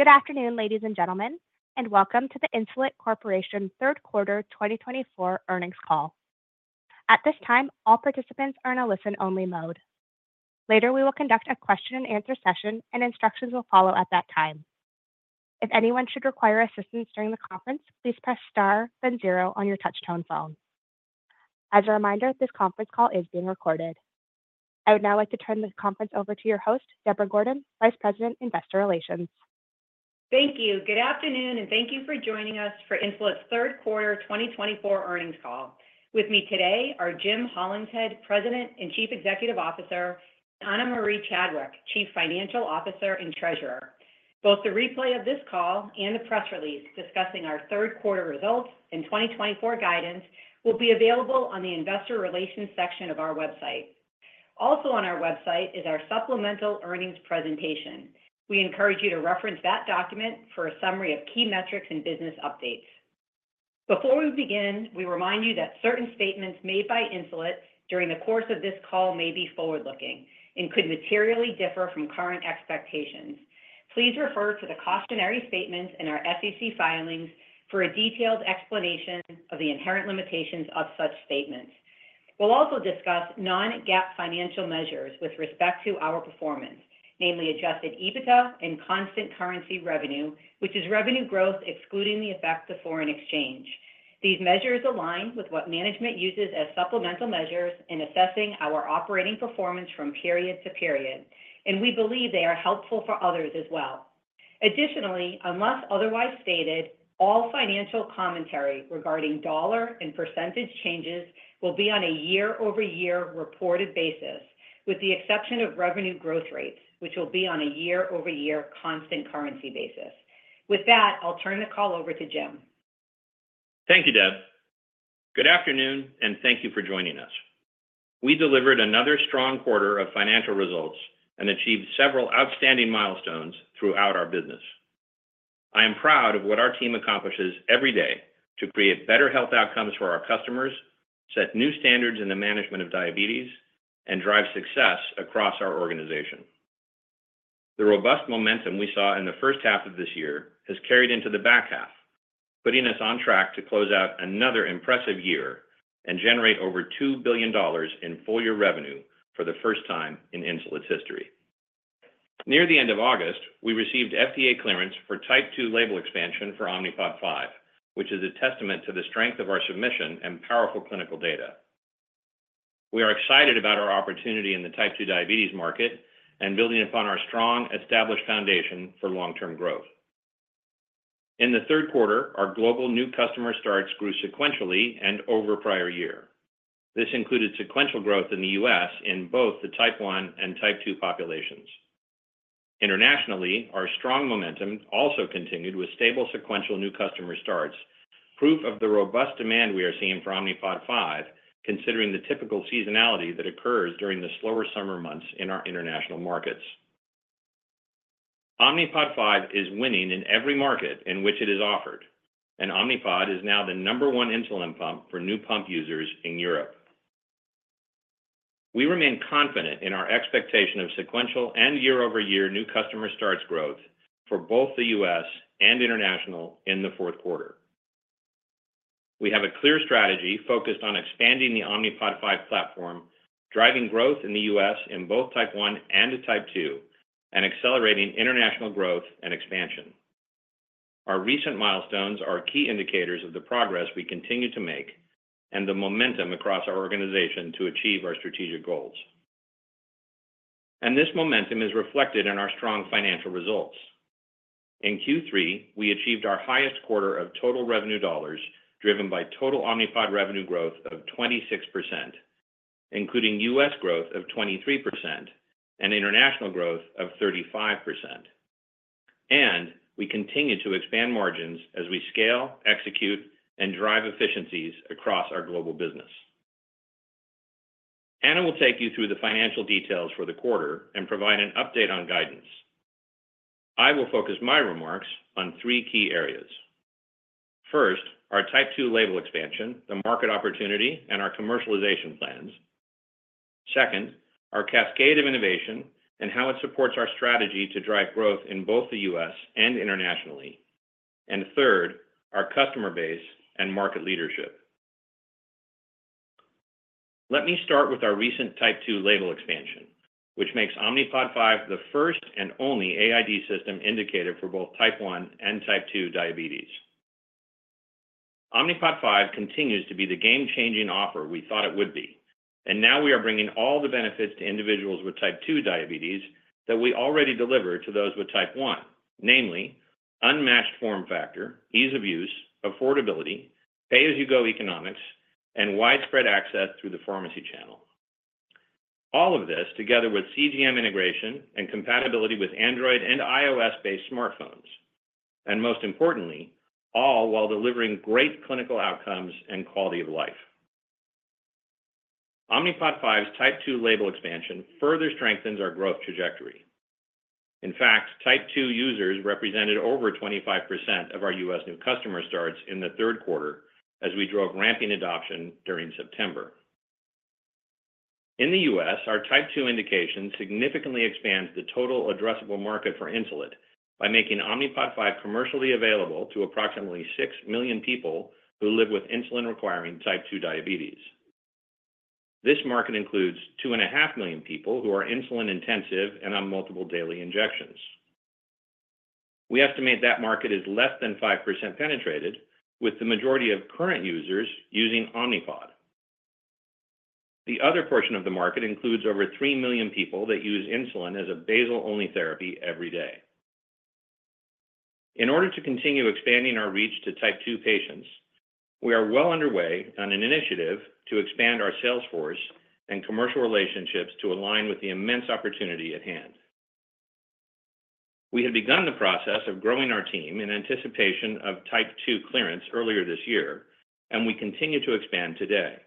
Good afternoon, ladies and gentlemen, and welcome to the Insulet Corporation Third Quarter 2024 earnings call. At this time, all participants are in a listen-only mode. Later, we will conduct a question-and-answer session, and instructions will follow at that time. If anyone should require assistance during the conference, please press star then zero on your touch-tone phone. As a reminder, this conference call is being recorded. I would now like to turn the conference over to your host,, Deborah Gordon, Vice president, Investor Relations. Thank you. Good afternoon, and thank you for joining Insulet's third quarter 2024 earnings call. With me today Hollingshead, president and Chief Executive Officer, and Ana Maria our Chief Financial Officer and Treasurer. Both the replay of this call and the press release discussing our third quarter results and 2024 guidance will be available on the Investor Relations section of also on our website supplemental earnings presentation. We encourage you to reference that document for a summary of key metrics and business updates. Before we begin, we remind you that certain statements made by Insulet during the course may be forward-looking and could materially differ from current expectations. Please refer to the cautionary statements in our SEC filings for a detailed explanation of the inherent limitations of such statements. We'll also discuss non-GAAP financial measures with respect namely Adjusted EBITDA and constant currency revenue, which is excluding the effect of foreign exchange. align with what management supplemental measures in assessing our operating performance from period to period, will be on a year-over-year reported basis, with the exception of revenue growth will be on a year-over-year constant currency basis. call over to Jim. Thank you, Deb. Good afternoon, and thank you for joining delivered another strong milestones throughout our business. I am proud of what accomplishes every day to health outcomes for our customers, set new standards in the management of diabetes, and drive success across our organization. The robust momentum we saw in half of this year has carried into half, putting us on close out another impressive year and generate full-year revenue for the first Insulet's history. near the end of August, we label expansion for Omnipod 5, which is a testament to the strength of our powerful clinical data. We are excited about our opportunity in the Type 2 diabetes market and building upon our strong established foundation for long-term growth. In the third quarter, our global new customer starts grew sequentially and over prior year. This included sequential growth in the U.S. in both the Type 1 and Type 2 populations. Internationally, our strong momentum also continued with stable sequential new customer starts, proof of the robust demand we are seeing for Omnipod 5, considering the typical seasonality that occurs during the slower summer months in our international markets. Omnipod 5 is winning in every market in which it is offered, and Omnipod is now the number one insulin pump for new pump users in Europe. We remain confident in our expectation of sequential and year-over-year new customer starts growth for both the U.S. and international in the fourth quarter. We have a clear strategy focused on expanding the Omnipod 5 platform, driving growth in the U.S. in both type 1 and type 2, and accelerating international growth and expansion. Our recent milestones are key indicators of the progress we continue to make and the momentum across our organization to achieve our strategic goals. And this momentum is reflected in our strong financial results. In Q3, we achieved our highest quarter of total revenue dollars, driven by total Omnipod revenue growth of 26%, including U.S. growth of 23% and international growth of 35%. And we continue to expand margins as we scale, execute, and drive efficiencies across our global business. Ana will take you through the financial details for the quarter and provide an update on guidance. I will focus my remarks on three key areas. First, our type 2 label expansion, the market opportunity, and our commercialization plans. Second, our cascade of innovation and how it supports our strategy to drive growth in both the U.S. and internationally, and third, our customer base and market leadership. Let me start with our recent Type 2 label expansion, which makes Omnipod 5 the first and only AID system indicated for both Type 1 and Type 2 diabetes. Omnipod 5 continues to be the game-changing offer we thought it would be, and now we are bringing all the benefits to individuals with Type 2 diabetes that we already delivered to those with Type 1, namely unmatched form factor, ease of use, affordability, pay-as-you-go economics, and widespread access through the pharmacy channel. All of this together with CGM integration and compatibility with Android and iOS-based smartphones, and most importantly, all while delivering great clinical outcomes and quality of life. Omnipod 5's Type 2 label expansion further strengthens our growth trajectory. In fact, Type 2 users represented over 25% of our U.S. new customer starts in the third quarter as we drove ramping adoption during September. In the U.S., our Type 2 indication significantly expands the total addressable market for Insulet by making Omnipod 5 commercially available to approximately six million people who live with insulin-requiring Type 2 diabetes. This market includes 2.5 million people who are insulin-intensive and on multiple daily injections. We estimate that market is less than 5% penetrated, with the majority of current users using Omnipod. The other portion of the market includes over three million people that use insulin as a basal-only therapy every day. In order to continue expanding our reach to Type 2 patients, we are well underway on an initiative to expand our salesforce and commercial relationships to align with the immense opportunity at hand. We had begun the process of growing our team in anticipation of Type 2 clearance earlier this year, and we continue to expand today.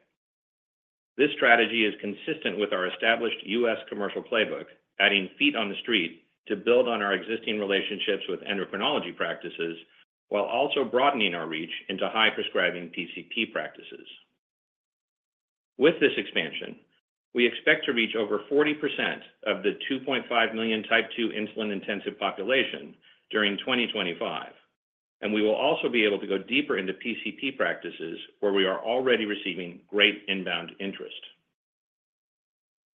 This strategy is consistent with our established U.S. commercial playbook, adding feet on the street to build on our existing relationships with endocrinology practices while also broadening our reach into high-prescribing PCP practices. With this expansion, we expect to reach over 40% of the 2.5 million Type 2 insulin-intensive population during 2025, and we will also be able to go deeper into PCP practices where we are already receiving great inbound interest.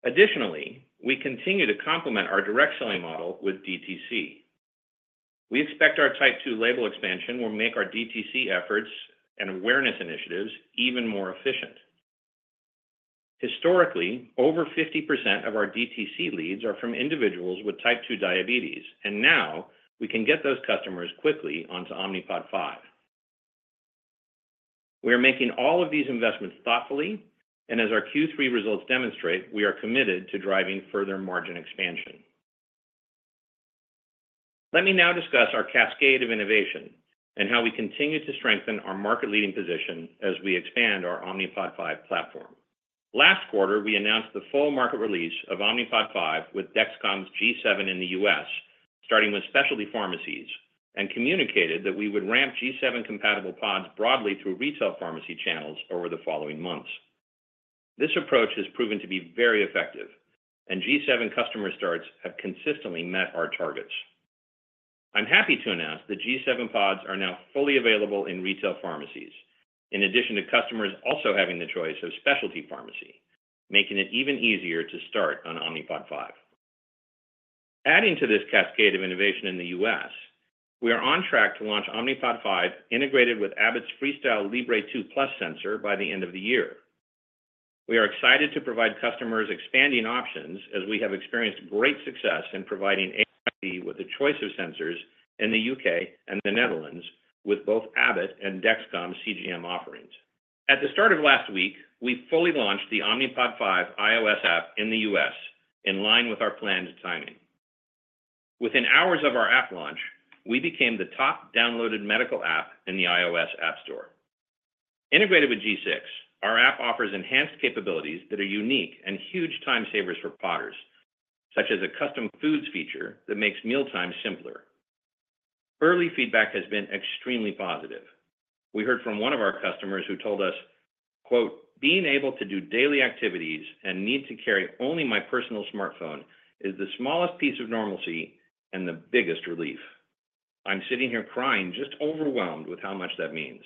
Additionally, we continue to complement our direct-selling model with DTC. We expect our Type 2 label expansion will make our DTC efforts and awareness initiatives even more efficient. Historically, over 50% of our DTC leads are from individuals with Type 2 diabetes, and now we can get those customers quickly onto Omnipod 5. We are making all of these investments thoughtfully, and as our Q3 results demonstrate, we are committed to driving further margin expansion. Let me now discuss our cascade of innovation and how we continue to strengthen our market-leading position as we expand our Omnipod 5 platform. Last quarter, we announced the full market release of Omnipod 5 with Dexcom's G7 in the U.S., starting with specialty pharmacies, and communicated that we would ramp G7-compatible pods broadly through retail pharmacy channels over the following months. This approach has proven to be very effective, and G7 customer starts have consistently met our targets. I'm happy to announce that G7 pods are now fully available in retail pharmacies, in addition to customers also having the choice of specialty pharmacy, making it even easier to start on Omnipod 5. Adding to this cascade of innovation in the U.S., we are on track to launch Omnipod 5 integrated with Abbott's FreeStyle Libre 2 Plus sensor by the end of the year. We are excited to provide customers expanding options as we have experienced great success in providing AID with a choice of sensors in the U.K. and the Netherlands with both Abbott and Dexcom CGM offerings. At the start of last week, we fully launched the Omnipod 5 iOS app in the U.S., in line with our planned timing. Within hours of our app launch, we became the top-downloaded medical app in the iOS app store. Integrated with G6, our app offers enhanced capabilities that are unique and huge time savers for Podders, such as a custom foods feature that makes mealtime simpler. Early feedback has been extremely positive. We heard from one of our customers who told us, "Being able to do daily activities and need to carry only my personal smartphone is the smallest piece of normalcy and the biggest relief. I'm sitting here crying, just overwhelmed with how much that means.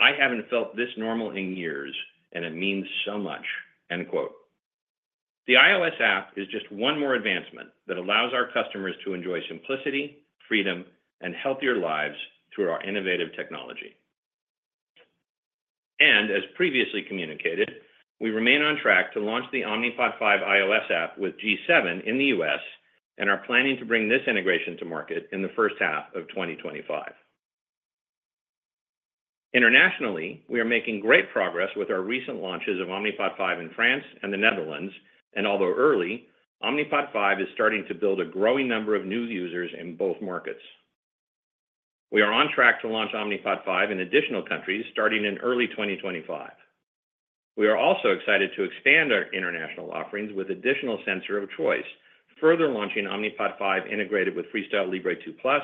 I haven't felt this normal in years, and it means so much." The iOS app is just one more advancement that allows our customers to enjoy simplicity, freedom, and healthier lives through our innovative technology, and as previously communicated, we remain on track to launch the Omnipod 5 iOS app with G7 in the U.S. and are planning to bring this integration to market in the first half of 2025. Internationally, we are making great progress with our recent launches of Omnipod 5 in France and the Netherlands, and although early, Omnipod 5 is starting to build a growing number of new users in both markets. We are on track to launch Omnipod 5 in additional countries starting in early 2025. We are also excited to expand our international offerings with additional sensors of choice, further launching Omnipod 5 integrated with FreeStyle Libre 2 Plus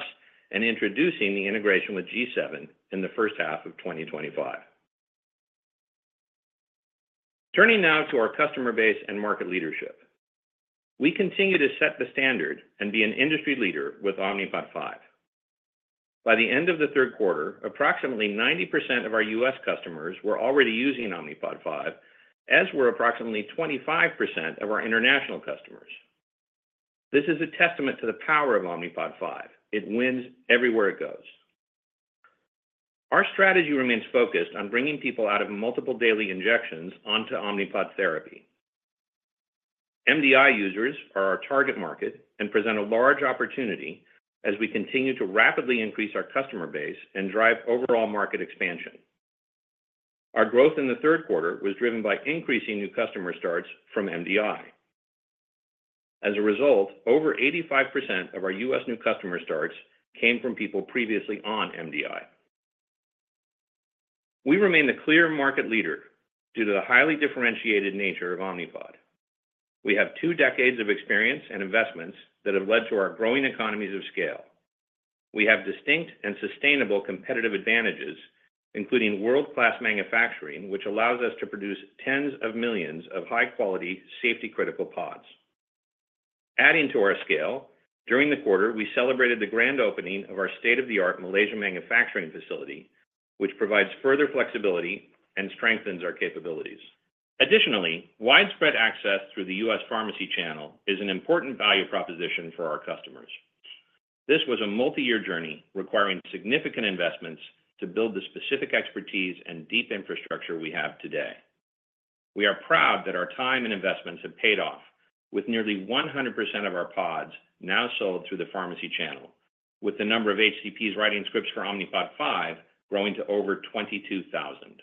and introducing the integration with G7 in the first half of 2025. Turning now to our customer base and market leadership, we continue to set the standard and be an industry leader with Omnipod 5. By the end of the third quarter, approximately 90% of our U.S. customers were already using Omnipod 5, as were approximately 25% of our international customers. This is a testament to the power of Omnipod 5. It wins everywhere it goes. Our strategy remains focused on bringing people out of multiple daily injections onto Omnipod therapy. MDI users are our target market and present a large opportunity as we continue to rapidly increase our customer base and drive overall market expansion. Our growth in the third quarter was driven by increasing new customer starts from MDI. As a result, over 85% of our U.S. new customer starts came from people previously on MDI. We remain the clear market leader due to the highly differentiated nature of Omnipod. We have two decades of experience and investments that have led to our growing economies of scale. We have distinct and sustainable competitive advantages, including world-class manufacturing, which allows us to produce tens of millions of high-quality, safety-critical pods. Adding to our scale, during the quarter, we celebrated the grand opening of our state-of-the-art Malaysia manufacturing facility, which provides further flexibility and strengthens our capabilities. Additionally, widespread access through the U.S. pharmacy channel is an important value proposition for our customers. This was a multi-year journey requiring significant investments to build the specific expertise and deep infrastructure we have today. We are proud that our time and investments have paid off, with nearly 100% of our pods now sold through the pharmacy channel, with the number of HCPs writing scripts for Omnipod 5 growing to over 22,000.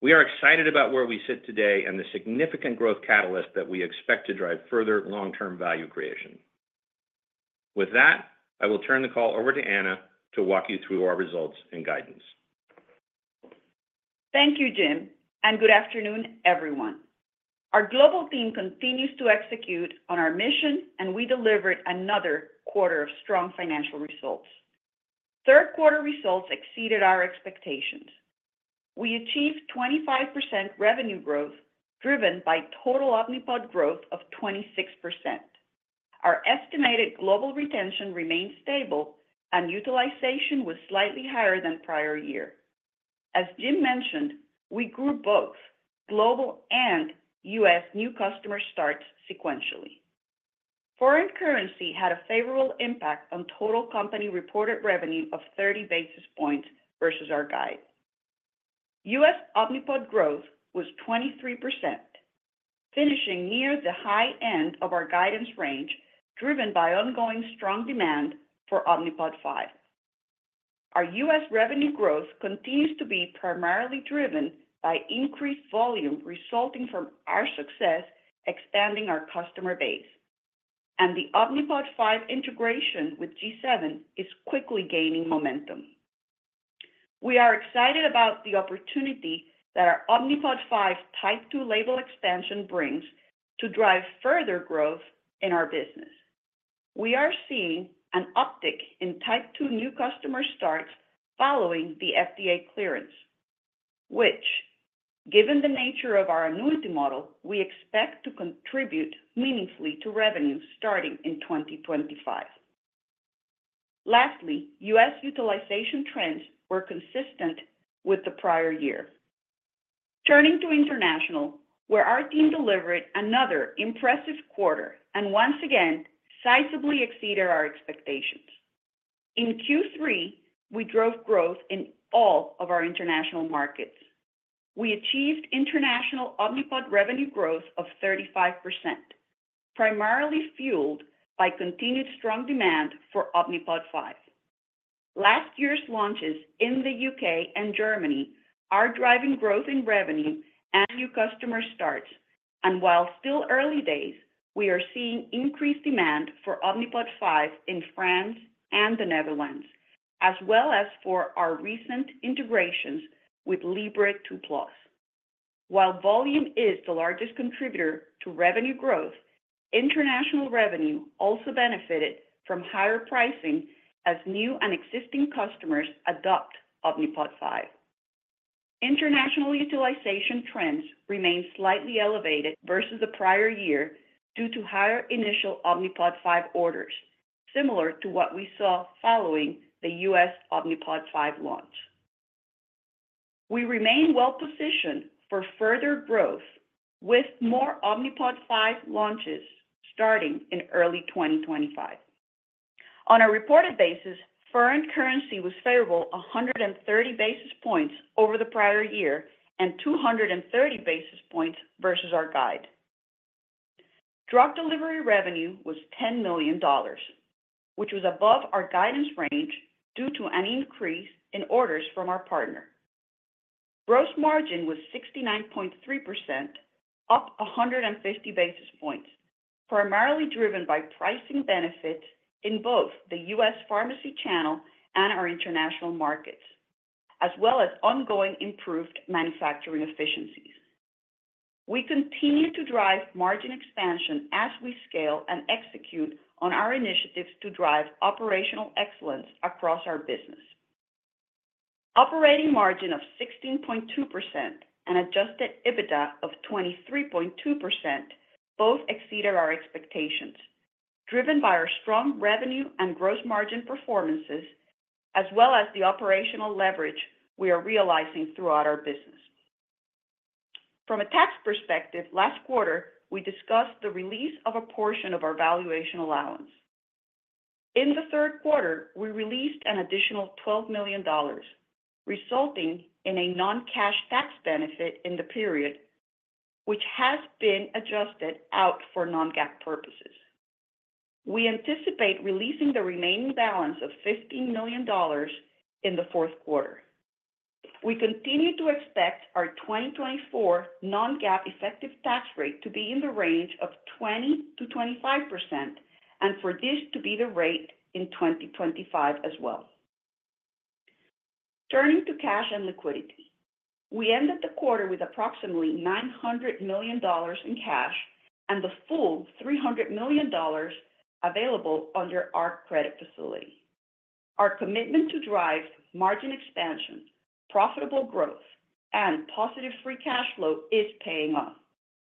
We are excited about where we sit today and the significant growth catalyst that we expect to drive further long-term value creation. With that, I will turn the call over to Ana to walk you through our results and guidance. Thank you, Jim, and good afternoon, everyone. Our global team continues to execute on our mission, and we delivered another quarter of strong financial results. Third quarter results exceeded our expectations. We achieved 25% revenue growth, driven by total Omnipod growth of 26%. Our estimated global retention remained stable, and utilization was slightly higher than prior year. As Jim mentioned, we grew both global and U.S. new customer starts sequentially. Foreign currency had a favorable impact on total company reported revenue of 30 basis points versus our guide. U.S. Omnipod growth was 23%, finishing near the high end of our guidance range, driven by ongoing strong demand for Omnipod 5. Our U.S. revenue growth continues to be primarily driven by increased volume resulting from our success expanding our customer base, and the Omnipod 5 integration with G7 is quickly gaining momentum. We are excited about the opportunity that our Omnipod 5 Type 2 label expansion brings to drive further growth in our business. We are seeing an uptick in Type 2 new customer starts following the FDA clearance, which, given the nature of our annuity model, we expect to contribute meaningfully to revenue starting in 2025. Lastly, U.S. utilization trends were consistent with the prior year. Turning to international, where our team delivered another impressive quarter and once again sizably exceeded our expectations. In Q3, we drove growth in all of our international markets. We achieved international Omnipod revenue growth of 35%, primarily fueled by continued strong demand for Omnipod 5. Last year's launches in the U.K. and Germany are driving growth in revenue and new customer starts, and while still early days, we are seeing increased demand for Omnipod 5 in France and the Netherlands, as well as for our recent integrations with Libre 2 Plus. While volume is the largest contributor to revenue growth, international revenue also benefited from higher pricing as new and existing customers adopt Omnipod 5. International utilization trends remain slightly elevated versus the prior year due to higher initial Omnipod 5 orders, similar to what we saw following the U.S. Omnipod 5 launch. We remain well-positioned for further growth, with more Omnipod 5 launches starting in early 2025. On a reported basis, foreign currency was favorable 130 basis points over the prior year and 230 basis points versus our guide. Drug delivery revenue was $10 million, which was above our guidance range due to an increase in orders from our partner. Gross margin was 69.3%, up 150 basis points, primarily driven by pricing benefits in both the U.S. pharmacy channel and our international markets, as well as ongoing improved manufacturing efficiencies. We continue to drive margin expansion as we scale and execute on our initiatives to drive operational excellence across our business. Operating margin of 16.2% and Adjusted EBITDA of 23.2% both exceeded our expectations, driven by our strong revenue and gross margin performances, as well as the operational leverage we are realizing throughout our business. From a tax perspective, last quarter, we discussed the release of a portion of our valuation allowance. In the third quarter, we released an additional $12 million, resulting in a non-cash tax benefit in the period, which has been adjusted out for non-GAAP purposes. We anticipate releasing the remaining balance of $15 million in the fourth quarter. We continue to expect our 2024 non-GAAP effective tax rate to be in the range of 20%-25%, and for this to be the rate in 2025 as well. Turning to cash and liquidity, we ended the quarter with approximately $900 million in cash and the full $300 million available under our credit facility. Our commitment to drive margin expansion, profitable growth, and positive free cash flow is paying off,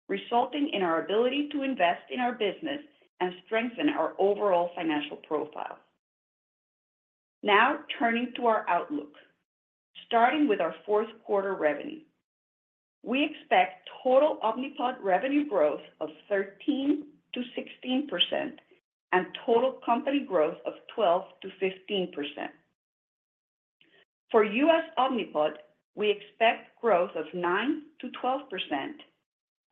resulting in our ability to invest in our business and strengthen our overall financial profile. Now, turning to our outlook, starting with our fourth quarter revenue, we expect total Omnipod revenue growth of 13%-16% and total company growth of 12%-15%. For U.S. Omnipod, we expect growth of 9%-12%.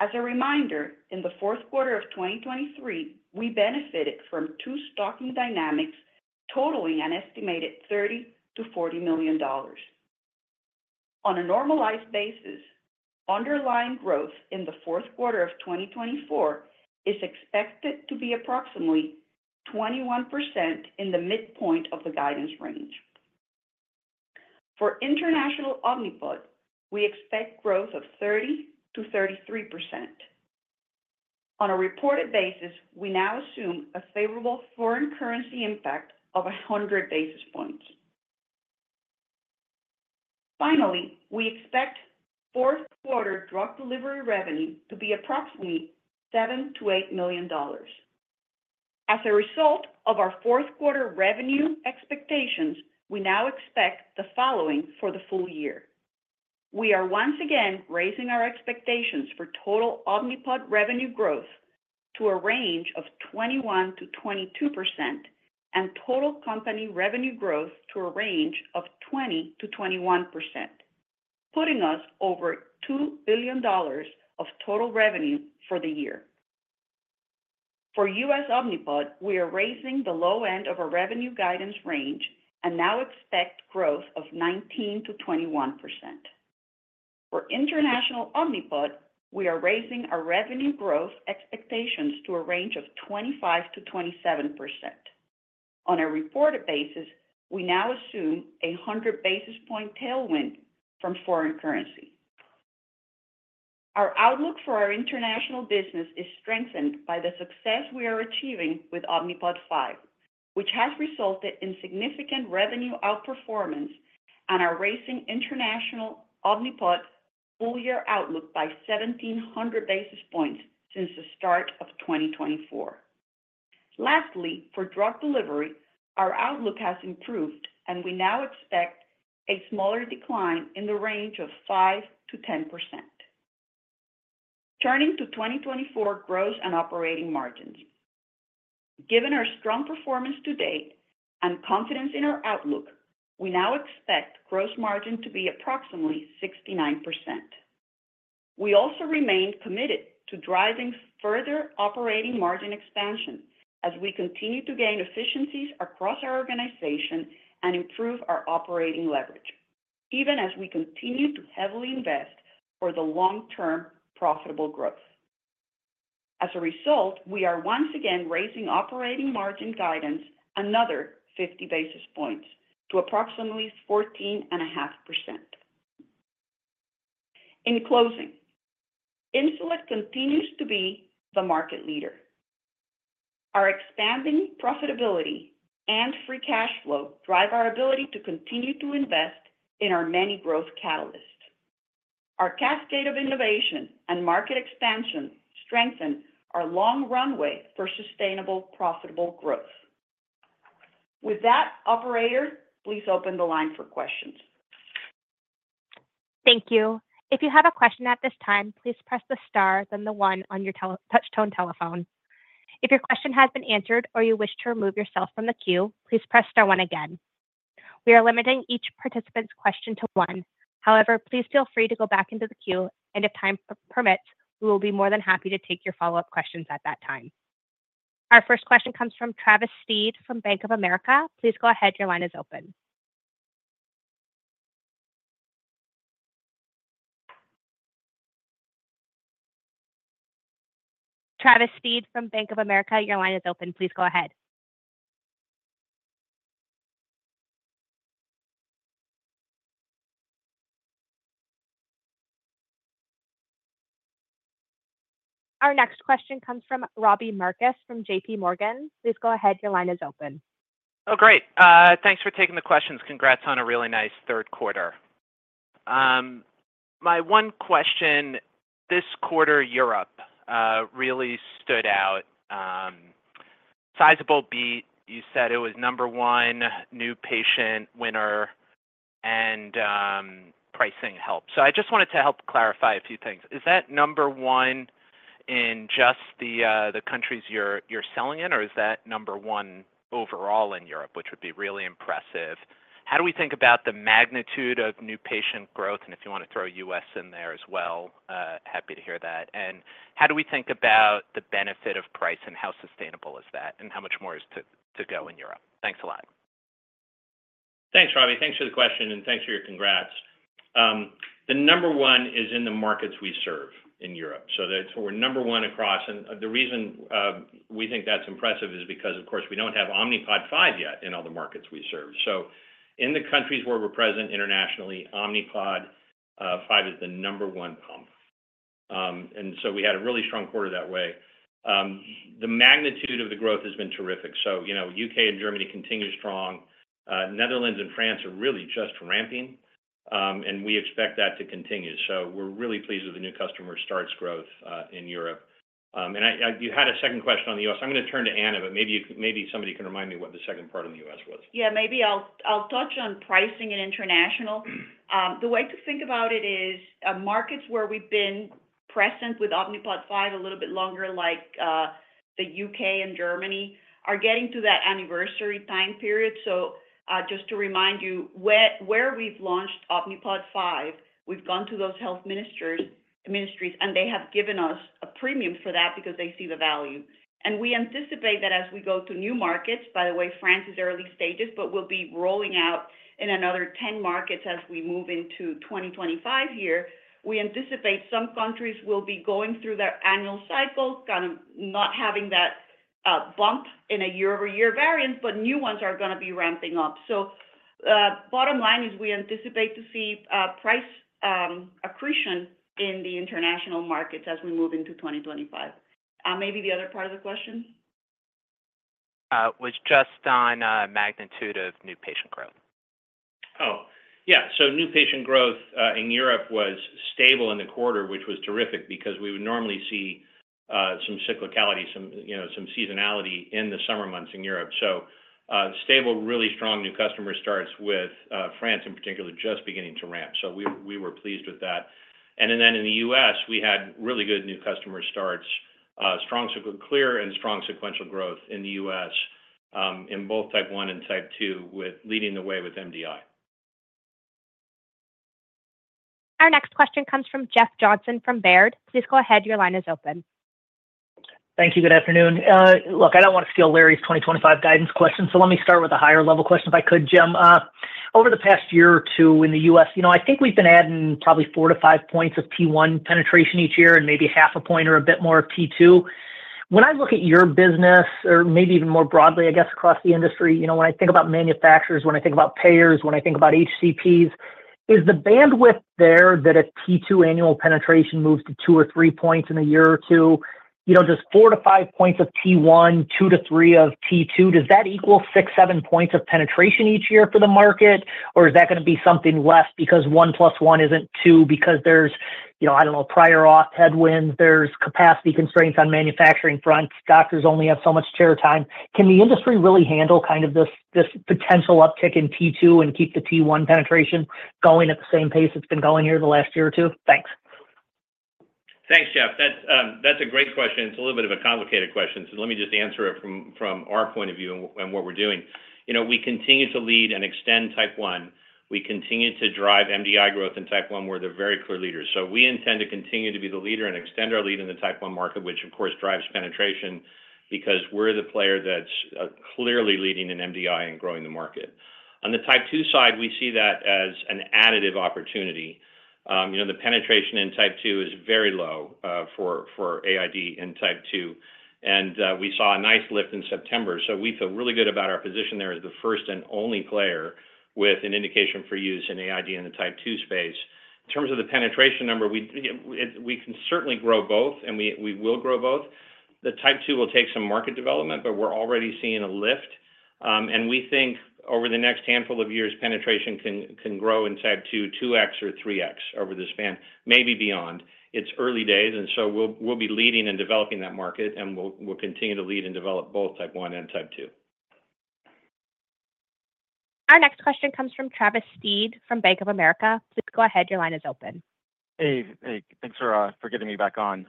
As a reminder, in the fourth quarter of 2023, we benefited from two stocking dynamics totaling an estimated $30 million-$40 million. On a normalized basis, underlying growth in the fourth quarter of 2024 is expected to be approximately 21% in the midpoint of the guidance range. For international Omnipod, we expect growth of 30%-33%. On a reported basis, we now assume a favorable foreign currency impact of 100 basis points. Finally, we expect fourth quarter drug delivery revenue to be approximately $7 million-$8 million. As a result of our fourth quarter revenue expectations, we now expect the following for the full year. We are once again raising our expectations for total Omnipod revenue growth to a range of 21%-22% and total company revenue growth to a range of 20%-21%, putting us over $2 billion of total revenue for the year. For U.S. Omnipod, we are raising the low end of our revenue guidance range and now expect growth of 19%-21%. For international Omnipod, we are raising our revenue growth expectations to a range of 25%-27%. On a reported basis, we now assume a 100 basis point tailwind from foreign currency. Our outlook for our international business is strengthened by the success we are achieving with Omnipod 5, which has resulted in significant revenue outperformance and us raising international Omnipod full-year outlook by 1,700 basis points since the start of 2024. Lastly, for drug delivery, our outlook has improved, and we now expect a smaller decline in the range of 5%-10%. Turning to 2024 growth and operating margins. Given our strong performance to date and confidence in our outlook, we now expect gross margin to be approximately 69%. We also remain committed to driving further operating margin expansion as we continue to gain efficiencies across our organization and improve our operating leverage, even as we continue to heavily invest for the long-term profitable growth. As a result, we are once again raising operating margin guidance another 50 basis points to approximately 14.5%. In closing, Insulet continues to be the market leader. Our expanding profitability and free cash flow drive our ability to continue to invest in our many growth catalysts. Our cascade of innovation and market expansion strengthen our long runway for sustainable profitable growth. With that, Operator, please open the line for questions. Thank you. If you have a question at this time, please press the star, then the one on your touch-tone telephone. If your question has been answered or you wish to remove yourself from the queue, please press the one again. We are limiting each participant's question to one. However, please feel free to go back into the queue, and if time permits, we will be more than happy to take your follow-up questions at that time. Our first question comes from Travis Steed from Bank of America. Please go ahead. Your line is open. Travis Steed from Bank of America, your line is open. Please go ahead. Our next question comes from Robbie Marcus from J.P. Morgan. Please go ahead. Your line is open. Oh, great. Thanks for taking the questions. Congrats on a really nice third quarter. My one question this quarter: Europe really stood out. Sizable beat. You said it was number one new patient winner, and pricing helped. So I just wanted to help clarify a few things. Is that number one in just the countries you're selling in, or is that number one overall in Europe, which would be really impressive? How do we think about the magnitude of new patient growth? And if you want to throw U.S. in there as well, happy to hear that. And how do we think about the benefit of price and how sustainable is that, and how much more is to go in Europe? Thanks a lot. Thanks, Robbie. Thanks for the question, and thanks for your congrats. The number one is in the markets we serve in Europe. So we're number one across. And the reason we think that's impressive is because, of course, we don't have Omnipod 5 yet in all the markets we serve. So in the countries where we're present internationally, Omnipod 5 is the number one pump. And so we had a really strong quarter that way. The magnitude of the growth has been terrific. So U.K. and Germany continue strong. Netherlands and France are really just ramping, and we expect that to continue. So we're really pleased with the new customer starts growth in Europe. And you had a second question on the U.S. I'm going to turn to Ana, but maybe somebody can remind me what the second part of the U.S. was. Yeah, maybe I'll touch on pricing and international. The way to think about it is markets where we've been present with Omnipod 5 a little bit longer, like the U.K. and Germany, are getting to that anniversary time period. So just to remind you, where we've launched Omnipod 5, we've gone to those health ministries, and they have given us a premium for that because they see the value. We anticipate that as we go to new markets, by the way. France is in early stages, but we'll be rolling out in another 10 markets as we move into 2025 here. We anticipate some countries will be going through their annual cycle, kind of not having that bump in a year-over-year variance, but new ones are going to be ramping up. Bottom line is we anticipate to see price accretion in the international markets as we move into 2025. Maybe the other part of the question was just on magnitude of new patient growth. Oh, yeah. New patient growth in Europe was stable in the quarter, which was terrific because we would normally see some cyclicality, some seasonality in the summer months in Europe. Stable, really strong new customer starts with France, in particular, just beginning to ramp. We were pleased with that. And then in the U.S., we had really good new customer starts, clear and strong sequential growth in the U.S. in both type 1 and type 2, leading the way with MDI. Our next question comes from Jeff Johnson from Baird. Please go ahead. Your line is open. Thank you. Good afternoon. Look, I don't want to steal Larry's 2025 guidance question, so let me start with a higher-level question if I could, Jim. Over the past year or two in the U.S., I think we've been adding probably four to five points of T1 penetration each year and maybe half a point or a bit more of T2. When I look at your business, or maybe even more broadly, I guess, across the industry, when I think about manufacturers, when I think about payers, when I think about HCPs, is the bandwidth there that a T2 annual penetration moves to two or three points in a year or two? Just four to five points of T1, two to three of T2, does that equal six, seven points of penetration each year for the market, or is that going to be something less because one plus one isn't two because there's, I don't know, prior auth headwinds, there's capacity constraints on manufacturing fronts, doctors only have so much chair time? Can the industry really handle kind of this potential uptick in T2 and keep the T1 penetration going at the same pace it's been going here the last year or two? Thanks. Thanks, Jeff. That's a great question. It's a little bit of a complicated question, so let me just answer it from our point of view and what we're doing. We continue to lead and extend Type 1. We continue to drive MDI growth in Type 1. We're the very clear leaders. So we intend to continue to be the leader and extend our lead in the Type 1 market, which, of course, drives penetration because we're the player that's clearly leading in MDI and growing the market. On the Type 2 side, we see that as an additive opportunity. The penetration in Type 2 is very low for AID in Type 2, and we saw a nice lift in September. So we feel really good about our position there as the first and only player with an indication for use in AID in the Type 2 space. In terms of the penetration number, we can certainly grow both, and we will grow both. The Type 2 will take some market development, but we're already seeing a lift, and we think over the next handful of years, penetration can grow in Type 2 2x or 3x over the span, maybe beyond. It's early days, and so we'll be leading and developing that market, and we'll continue to lead and develop both Type 1 and Type 2. Our next question comes from Travis Steed from Bank of America. Please go ahead. Your line is open. Hey, thanks for getting me back on.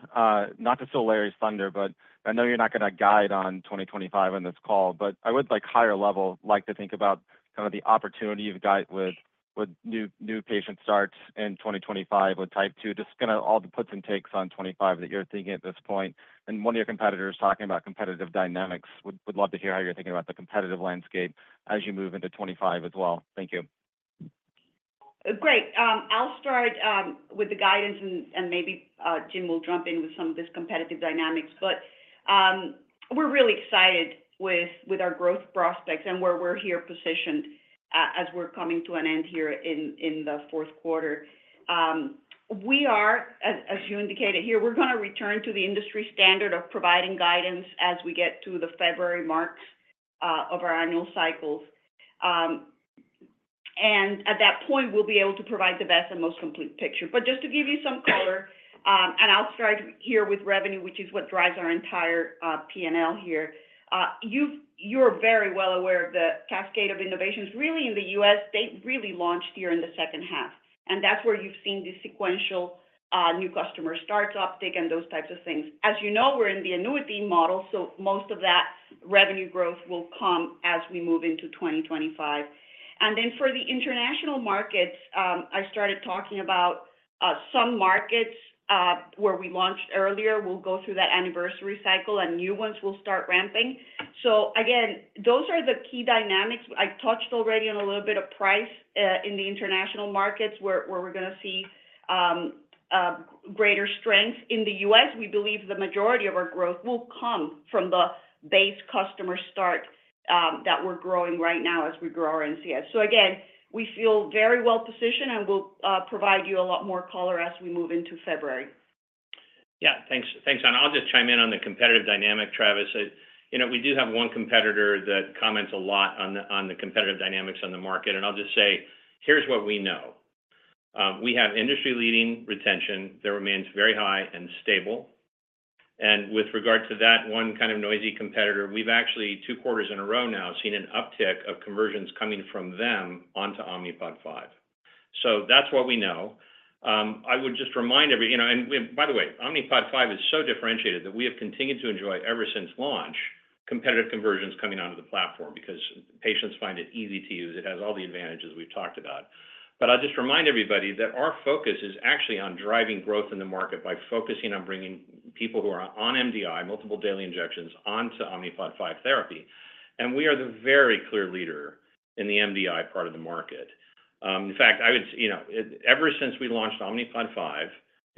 Not to steal Larry's thunder, but I know you're not going to guide on 2025 on this call, but I would, higher level, like to think about kind of the opportunity you've got with new patient starts in 2025 with Type 2, just kind of all the puts and takes on 25 that you're thinking at this point. And one of your competitors talking about competitive dynamics. Would love to hear how you're thinking about the competitive landscape as you move into 25 as well. Thank you. Great. I'll start with the guidance, and maybe Jim will jump in with some of this competitive dynamics. But we're really excited with our growth prospects and where we're here positioned as we're coming to an end here in the fourth quarter. We are, as you indicated here, we're going to return to the industry standard of providing guidance as we get to the February marks of our annual cycles, and at that point, we'll be able to provide the best and most complete picture, but just to give you some color, and I'll start here with revenue, which is what drives our entire P&L here. You're very well aware of the cascade of innovations. Really, in the U.S., they really launched here in the second half, and that's where you've seen the sequential new customer starts uptick and those types of things. As you know, we're in the annuity model, so most of that revenue growth will come as we move into 2025, and then for the international markets, I started talking about some markets where we launched earlier. We'll go through that anniversary cycle, and new ones will start ramping. So again, those are the key dynamics. I touched already on a little bit of price in the international markets where we're going to see greater strength. In the U.S., we believe the majority of our growth will come from the base customer start that we're growing right now as we grow our NCS. So again, we feel very well positioned, and we'll provide you a lot more color as we move into February. Yeah. Thanks, Ana. I'll just chime in on the competitive dynamic, Travis. We do have one competitor that comments a lot on the competitive dynamics on the market, and I'll just say, here's what we know. We have industry-leading retention that remains very high and stable. And with regard to that one kind of noisy competitor, we've actually two quarters in a row now seen an uptick of conversions coming from them onto Omnipod 5. So that's what we know. I would just remind everyone, and by the way, Omnipod 5 is so differentiated that we have continued to enjoy ever since launch competitive conversions coming onto the platform because patients find it easy to use. It has all the advantages we've talked about. But I'll just remind everybody that our focus is actually on driving growth in the market by focusing on bringing people who are on MDI, multiple daily injections, onto Omnipod 5 therapy. And we are the very clear leader in the MDI part of the market. In fact, I would say ever since we launched Omnipod 5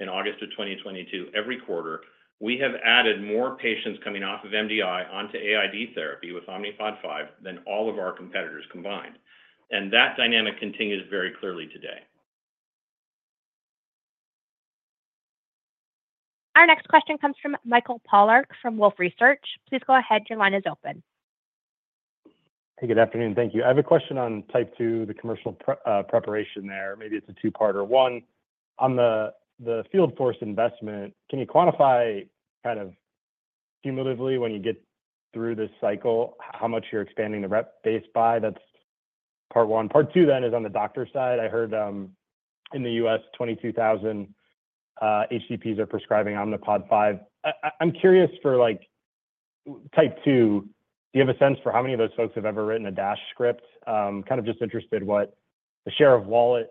in August of 2022, every quarter, we have added more patients coming off of MDI onto AID therapy with Omnipod 5 than all of our competitors combined. And that dynamic continues very clearly today. Our next question comes from Michael Polark from Wolfe Research. Please go ahead. Your line is open. Hey, good afternoon. Thank you. I have a question on Type 2, the commercial preparation there. Maybe it's a two-parter. One, on the field force investment, can you quantify kind of cumulatively when you get through this cycle how much you're expanding the rep base by? That's part one. Part two then is on the doctor side. I heard in the U.S., 22,000 HCPs are prescribing Omnipod 5. I'm curious for Type 2. Do you have a sense for how many of those folks have ever written a DASH script? Kind of just interested what the share of wallet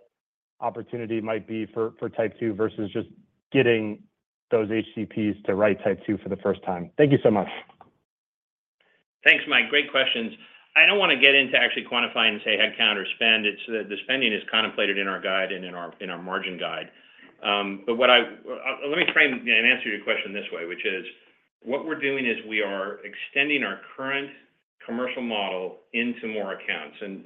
opportunity might be for Type 2 versus just getting those HCPs to write Type 2 for the first time. Thank you so much. Thanks, Mike. Great questions. I don't want to get into actually quantifying and say headcount or spend. The spending is contemplated in our guide and in our margin guide, but let me frame and answer your question this way, which is what we're doing is we are extending our current commercial model into more accounts, and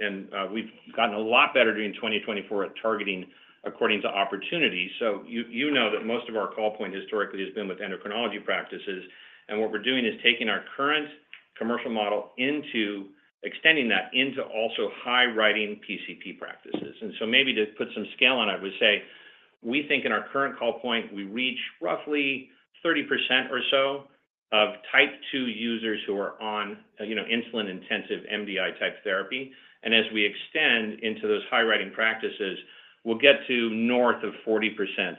we've gotten a lot better during 2024 at targeting according to opportunity, so you know that most of our call point historically has been with endocrinology practices, and what we're doing is taking our current commercial model into extending that into also high-prescribing PCP practices, and so maybe to put some scale on, I would say we think in our current call point, we reach roughly 30% or so of type 2 users who are on insulin-intensive MDI type therapy, and as we extend into those high-prescribing practices, we'll get to north of 40%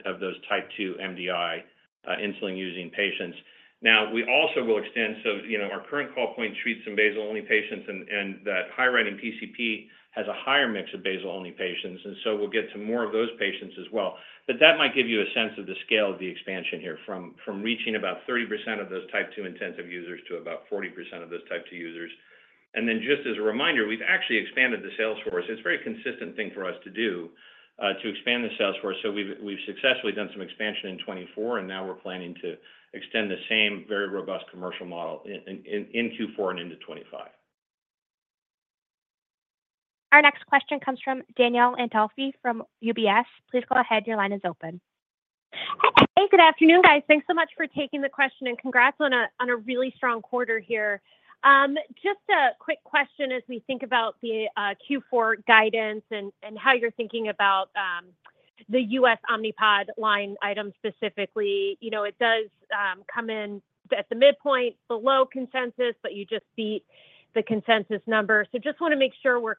of those type 2 MDI insulin-using patients. Now, we also will extend. So our current call point treats some basal-only patients, and that high volume PCP has a higher mix of basal-only patients. And so we'll get to more of those patients as well. But that might give you a sense of the scale of the expansion here from reaching about 30% of those Type 2 intensive users to about 40% of those Type 2 users. And then just as a reminder, we've actually expanded the sales force. It's a very consistent thing for us to do to expand the sales force. So we've successfully done some expansion in 2024, and now we're planning to extend the same very robust commercial model in Q4 and into 2025. Our next question comes from Danielle Antalffy from UBS. Please go ahead. Your line is open. Hey, good afternoon, guys. Thanks so much for taking the question, and congrats on a really strong quarter here. Just a quick question as we think about the Q4 guidance and how you're thinking about the U.S. Omnipod line item specifically. It does come in at the midpoint below consensus, but you just beat the consensus number. So just want to make sure we're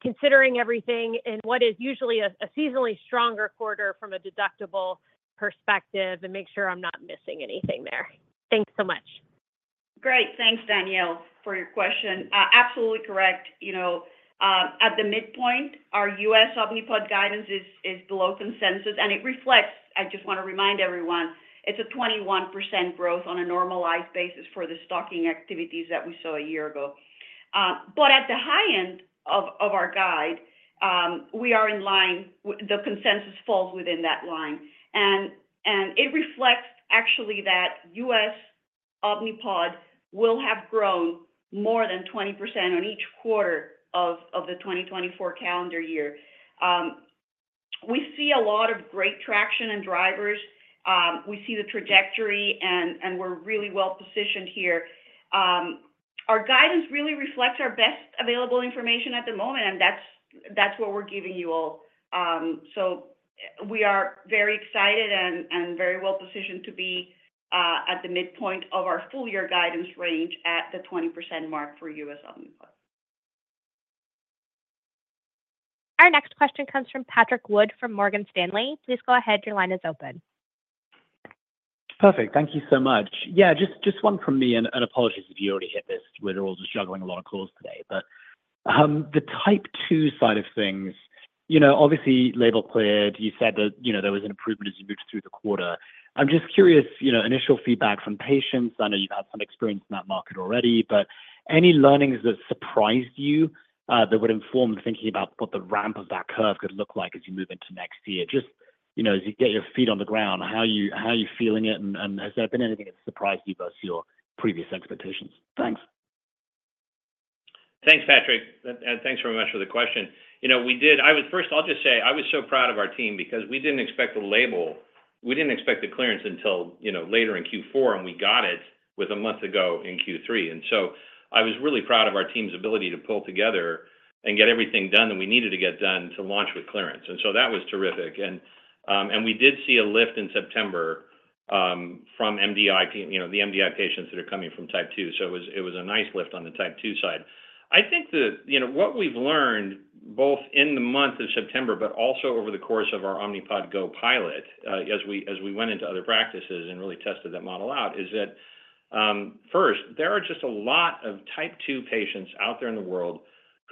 considering everything in what is usually a seasonally stronger quarter from a deductible perspective and make sure I'm not missing anything there. Thanks so much. Great. Thanks, Danielle, for your question. Absolutely correct. At the midpoint, our U.S. Omnipod guidance is below consensus, and it reflects, I just want to remind everyone, it's a 21% growth on a normalized basis for the stocking activities that we saw a year ago. But at the high end of our guide, we are in line. The consensus falls within that line. And it reflects actually that U.S. Omnipod will have grown more than 20% in each quarter of the 2024 calendar year. We see a lot of great traction and drivers. We see the trajectory, and we're really well positioned here. Our guidance really reflects our best available information at the moment, and that's what we're giving you all. So we are very excited and very well positioned to be at the midpoint of our full-year guidance range at the 20% mark for U.S. Omnipod. Our next question comes from Patrick Wood from Morgan Stanley. Please go ahead. Your line is open. Perfect. Thank you so much. Yeah, just one from me, and apologies if you already hit this where we're all just juggling a lot of calls today. But the Type 2 side of things, obviously label cleared, you said that there was an improvement as you moved through the quarter. I'm just curious about initial feedback from patients. I know you've had some experience in that market already, but any learnings that surprised you that would inform thinking about what the ramp of that curve could look like as you move into next year? Just as you get your feet on the ground, how are you feeling it, and has there been anything that surprised you versus your previous expectations? Thanks. Thanks, Patrick, and thanks very much for the question. I was first, I'll just say I was so proud of our team because we didn't expect the label; we didn't expect the clearance until later in Q4, and we got it a month ago in Q3, and so I was really proud of our team's ability to pull together and get everything done that we needed to get done to launch with clearance, and so that was terrific. And we did see a lift in September from the MDI patients that are coming from Type 2. So it was a nice lift on the Type 2 side. I think that what we've learned both in the month of September, but also over the course of our Omnipod GO pilot as we went into other practices and really tested that model out, is that first, there are just a lot of Type 2 patients out there in the world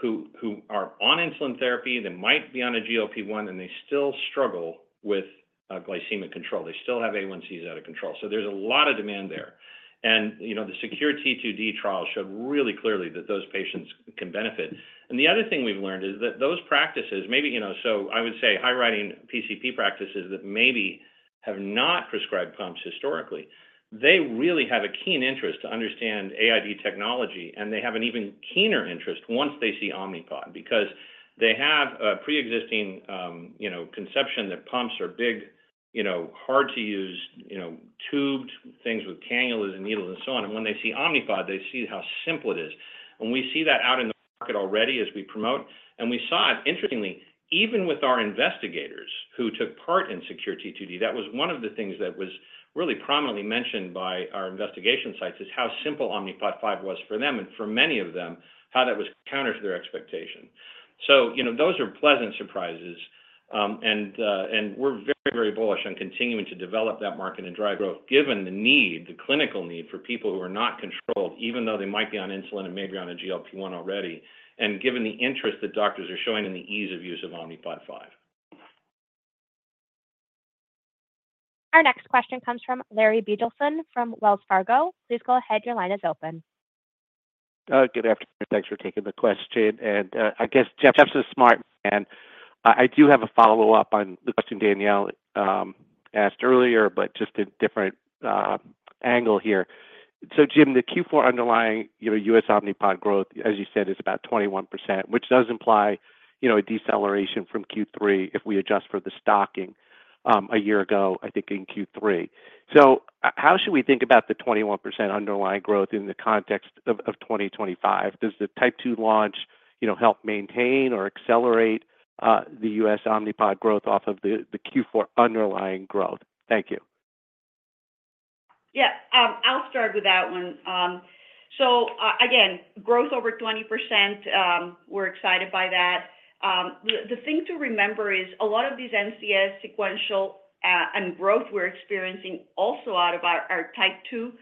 who are on insulin therapy, that might be on a GLP-1, and they still struggle with glycemic control. They still have A1Cs out of control. So there's a lot of demand there. And the SECURE-T2D trial showed really clearly that those patients can benefit. And the other thing we've learned is that those practices, maybe. So I would say high-volume PCP practices that maybe have not prescribed pumps historically. They really have a keen interest to understand AID technology, and they have an even keener interest once they see Omnipod because they have a pre-existing conception that pumps are big, hard-to-use, tubed things with cannulas and needles and so on. And when they see Omnipod, they see how simple it is. And we see that out in the market already as we promote. And we saw it, interestingly, even with our investigators who took part in SECURE-T2D. That was one of the things that was really prominently mentioned by our investigator sites is how simple Omnipod 5 was for them, and for many of them, how that was counter to their expectation. So those are pleasant surprises. We're very, very bullish on continuing to develop that market and drive growth given the need, the clinical need for people who are not controlled, even though they might be on insulin and maybe on a GLP-1 already, and given the interest that doctors are showing in the ease of use of Omnipod 5. Our next question comes from Larry Biegelsen from Wells Fargo. Please go ahead. Your line is open. Good afternoon. Thanks for taking the question. And I guess Jeff's a smart man. I do have a follow-up on the question Danielle asked earlier, but just a different angle here. So Jim, the Q4 underlying U.S. Omnipod growth, as you said, is about 21%, which does imply a deceleration from Q3 if we adjust for the stocking a year ago, I think, in Q3. So how should we think about the 21% underlying growth in the context of 2025? Does the Type 2 launch help maintain or accelerate the U.S. Omnipod growth off of the Q4 underlying growth? Thank you. Yeah. I'll start with that one. So again, growth over 20%. We're excited by that. The thing to remember is a lot of these NCS sequential and growth we're experiencing also out of our Type 2.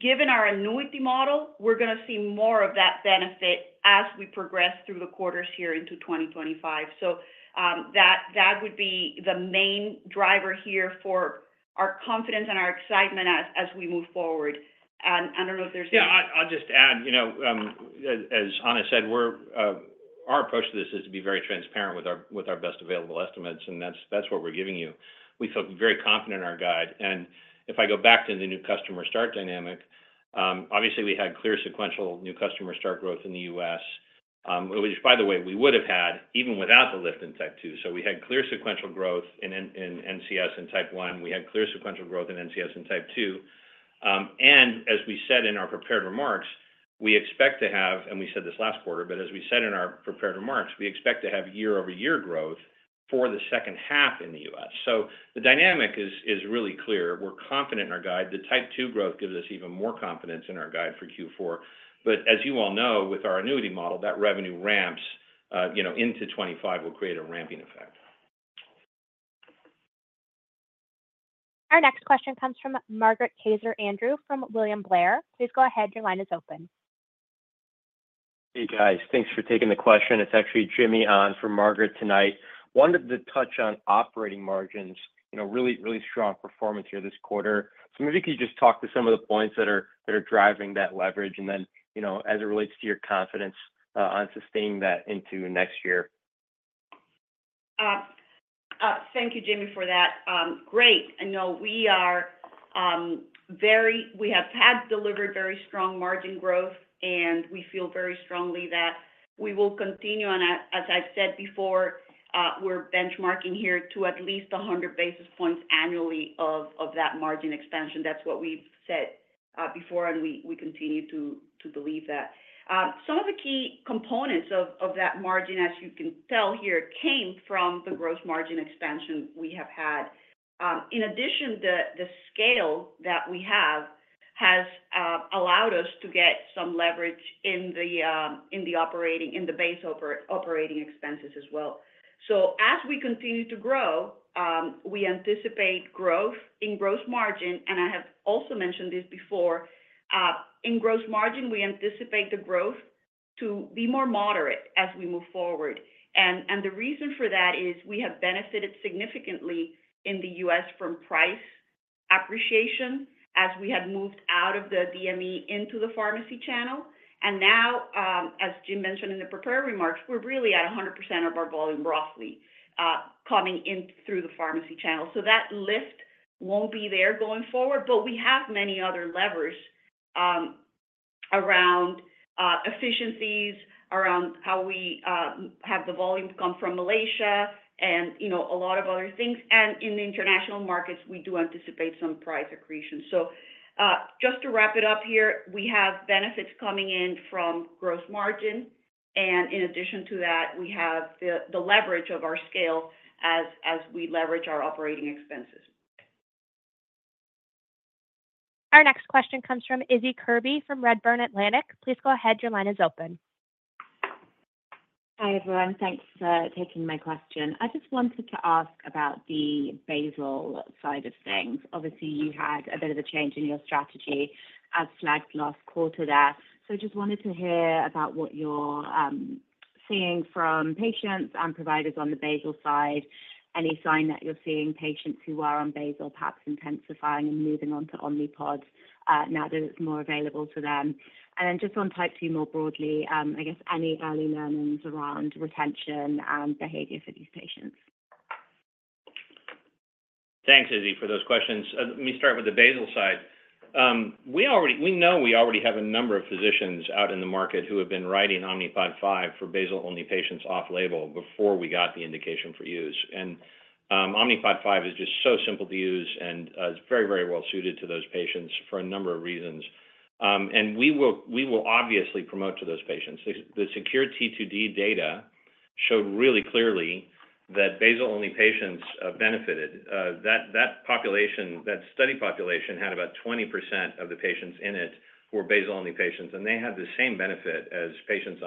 Given our annuity model, we're going to see more of that benefit as we progress through the quarters here into 2025. So that would be the main driver here for our confidence and our excitement as we move forward. And I don't know if there's. Yeah, I'll just add, as Ana said, our approach to this is to be very transparent with our best available estimates, and that's what we're giving you. We feel very confident in our guide. And if I go back to the new customer start dynamic, obviously, we had clear sequential new customer start growth in the U.S., which, by the way, we would have had even without the lift in Type 2. So we had clear sequential growth in NCS and Type 1. We had clear sequential growth in NCS and Type 2. And as we said in our prepared remarks, we expect to have—and we said this last quarter—but as we said in our prepared remarks, we expect to have year-over-year growth for the second half in the U.S. So the dynamic is really clear. We're confident in our guide. The Type 2 growth gives us even more confidence in our guide for Q4. But as you all know, with our annuity model, that revenue ramps into 2025 will create a ramping effect. Our next question comes from Margaret Kaczor Andrew from William Blair. Please go ahead. Your line is open. Hey, guys. Thanks for taking the question. It's actually Jimmy Ahn from Margaret tonight. Wanted to touch on operating margins, really, really strong performance here this quarter. So maybe could you just talk to some of the points that are driving that leverage and then as it relates to your confidence on sustaining that into next year? Thank you, Jimmy, for that. Great. I know we have had delivered very strong margin growth, and we feel very strongly that we will continue. And as I've said before, we're benchmarking here to at least 100 basis points annually of that margin expansion. That's what we've said before, and we continue to believe that. Some of the key components of that margin, as you can tell here, came from the gross margin expansion we have had. In addition, the scale that we have has allowed us to get some leverage in the operating, in the base operating expenses as well, so as we continue to grow, we anticipate growth in gross margin, and I have also mentioned this before. In gross margin, we anticipate the growth to be more moderate as we move forward, and the reason for that is we have benefited significantly in the U.S. from price appreciation as we had moved out of the DME into the pharmacy channel, and now, as Jim mentioned in the prepared remarks, we're really at 100% of our volume roughly coming in through the pharmacy channel. So that lift won't be there going forward, but we have many other levers around efficiencies, around how we have the volume come from Malaysia, and a lot of other things. And in the international markets, we do anticipate some price accretion. So just to wrap it up here, we have benefits coming in from gross margin. And in addition to that, we have the leverage of our scale as we leverage our operating expenses. Our next question comes from Issie Kirby from Redburn Atlantic. Please go ahead. Your line is open. Hi everyone. Thanks for taking my question. I just wanted to ask about the basal side of things. Obviously, you had a bit of a change in your strategy as flagged last quarter there. So I just wanted to hear about what you're seeing from patients and providers on the basal side, any sign that you're seeing patients who are on basal perhaps intensifying and moving on to Omnipod now that it's more available to them? And then just on type 2 more broadly, I guess any early learnings around retention and behavior for these patients? Thanks, Issie, for those questions. Let me start with the basal side. We know we already have a number of physicians out in the market who have been writing Omnipod 5 for basal-only patients off-label before we got the indication for use. And Omnipod 5 is just so simple to use, and it's very, very well suited to those patients for a number of reasons. And we will obviously promote to those patients. The SECURE-T2D data showed really clearly that basal-only patients benefited. That study population had about 20% of the patients in it who were basal-only patients, and they had the same benefit as patients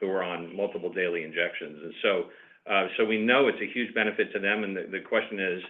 who were on multiple daily injections. And so we know it's a huge benefit to them. And the question is,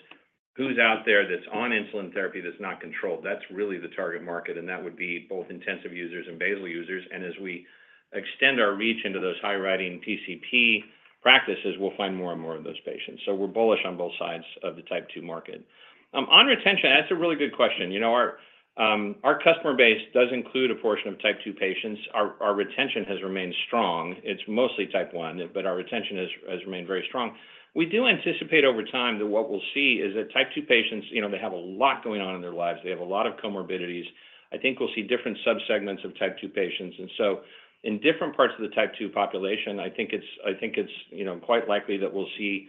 who's out there that's on insulin therapy that's not controlled? That's really the target market. And that would be both intensive users and basal users. And as we extend our reach into those high-volume PCP practices, we'll find more and more of those patients. So we're bullish on both sides of the type 2 market. On retention, that's a really good question. Our customer base does include a portion of type 2 patients. Our retention has remained strong. It's mostly type 1, but our retention has remained very strong. We do anticipate over time that what we'll see is that Type 2 patients, they have a lot going on in their lives. They have a lot of comorbidities. I think we'll see different subsegments of Type 2 patients. And so in different parts of the Type 2 population, I think it's quite likely that we'll see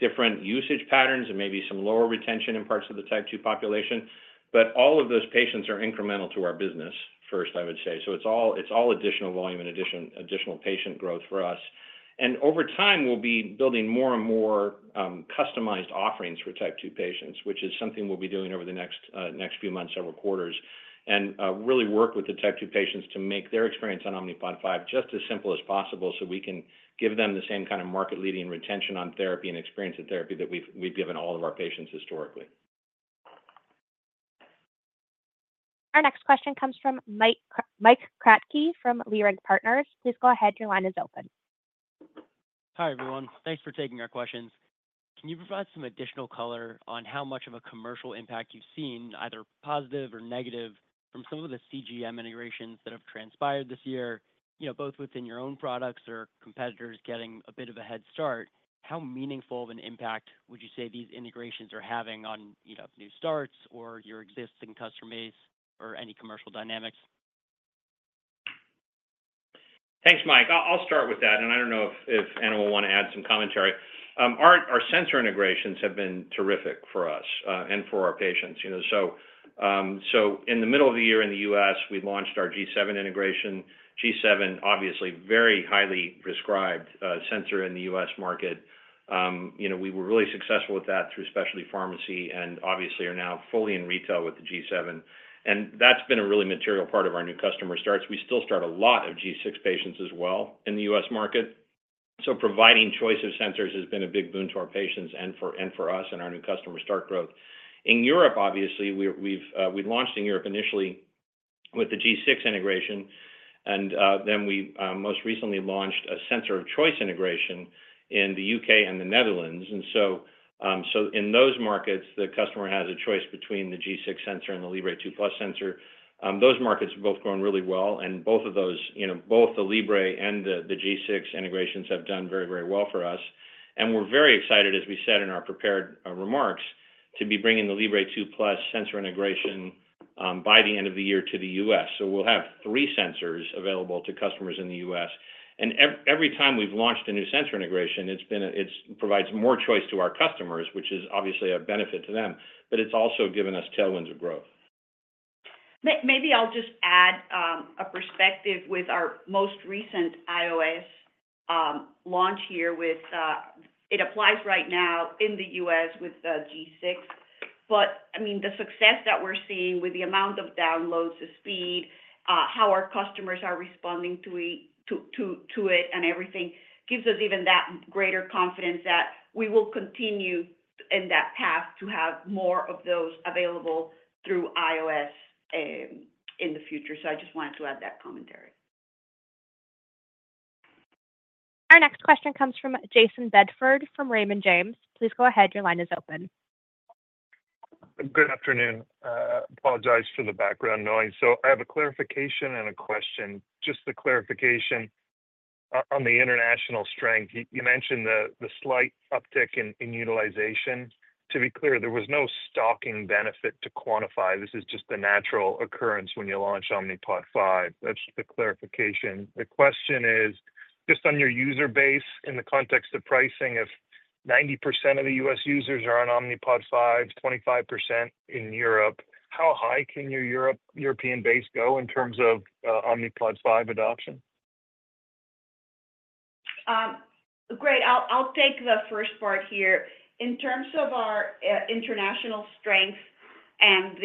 different usage patterns and maybe some lower retention in parts of the Type 2 population. But all of those patients are incremental to our business first, I would say. So it's all additional volume and additional patient growth for us. And over time, we'll be building more and more customized offerings for Type 2 patients, which is something we'll be doing over the next few months, several quarters, and really work with the Type 2 patients to make their experience on Omnipod 5 just as simple as possible so we can give them the same kind of market-leading retention on therapy and experience in therapy that we've given all of our patients historically. Our next question comes from Mike Kratky from Leerink Partners. Please go ahead. Your line is open. Hi everyone. Thanks for taking our questions. Can you provide some additional color on how much of a commercial impact you've seen, either positive or negative, from some of the CGM integrations that have transpired this year, both within your own products or competitors getting a bit of a head start? How meaningful of an impact would you say these integrations are having on new starts or your existing customer base or any commercial dynamics? Thanks, Mike. I'll start with that, and I don't know if Ana will want to add some commentary. Our sensor integrations have been terrific for us and for our patients, so in the middle of the year in the U.S., we launched our G7 integration. G7, obviously, very highly prescribed sensor in the U.S. market. We were really successful with that through specialty pharmacy and obviously are now fully in retail with the G7, and that's been a really material part of our new customer starts. We still start a lot of G6 patients as well in the U.S. market, so providing choice of sensors has been a big boon to our patients and for us and our new customer start growth. In Europe, obviously, we launched in Europe initially with the G6 integration, and then we most recently launched a sensor of choice integration in the U.K. and the Netherlands, and so in those markets, the customer has a choice between the G6 sensor and the Libre 2+ sensor. Those markets have both grown really well, and both of those, both the Libre and the G6 integrations have done very, very well for us, and we're very excited, as we said in our prepared remarks, to be bringing the Libre 2+ sensor integration by the end of the year to the U.S., so we'll have three sensors available to customers in the U.S., and every time we've launched a new sensor integration, it provides more choice to our customers, which is obviously a benefit to them, but it's also given us tailwinds of growth. Maybe I'll just add a perspective with our most recent iOS launch here. It applies right now in the U.S. with G6. But I mean, the success that we're seeing with the amount of downloads, the speed, how our customers are responding to it and everything gives us even that greater confidence that we will continue in that path to have more of those available through iOS in the future. So I just wanted to add that commentary. Our next question comes from Jason Bedford from Raymond James. Please go ahead. Your line is open. Good afternoon. Apologize for the background noise. So I have a clarification and a question. Just the clarification on the international strength. You mentioned the slight uptick in utilization. To be clear, there was no stocking benefit to quantify. This is just the natural occurrence when you launch Omnipod 5. That's the clarification. The question is, just on your user base in the context of pricing, if 90% of the U.S. users are on Omnipod 5, 25% in Europe, how high can your European base go in terms of Omnipod 5 adoption? Great. I'll take the first part here. In terms of our international strength and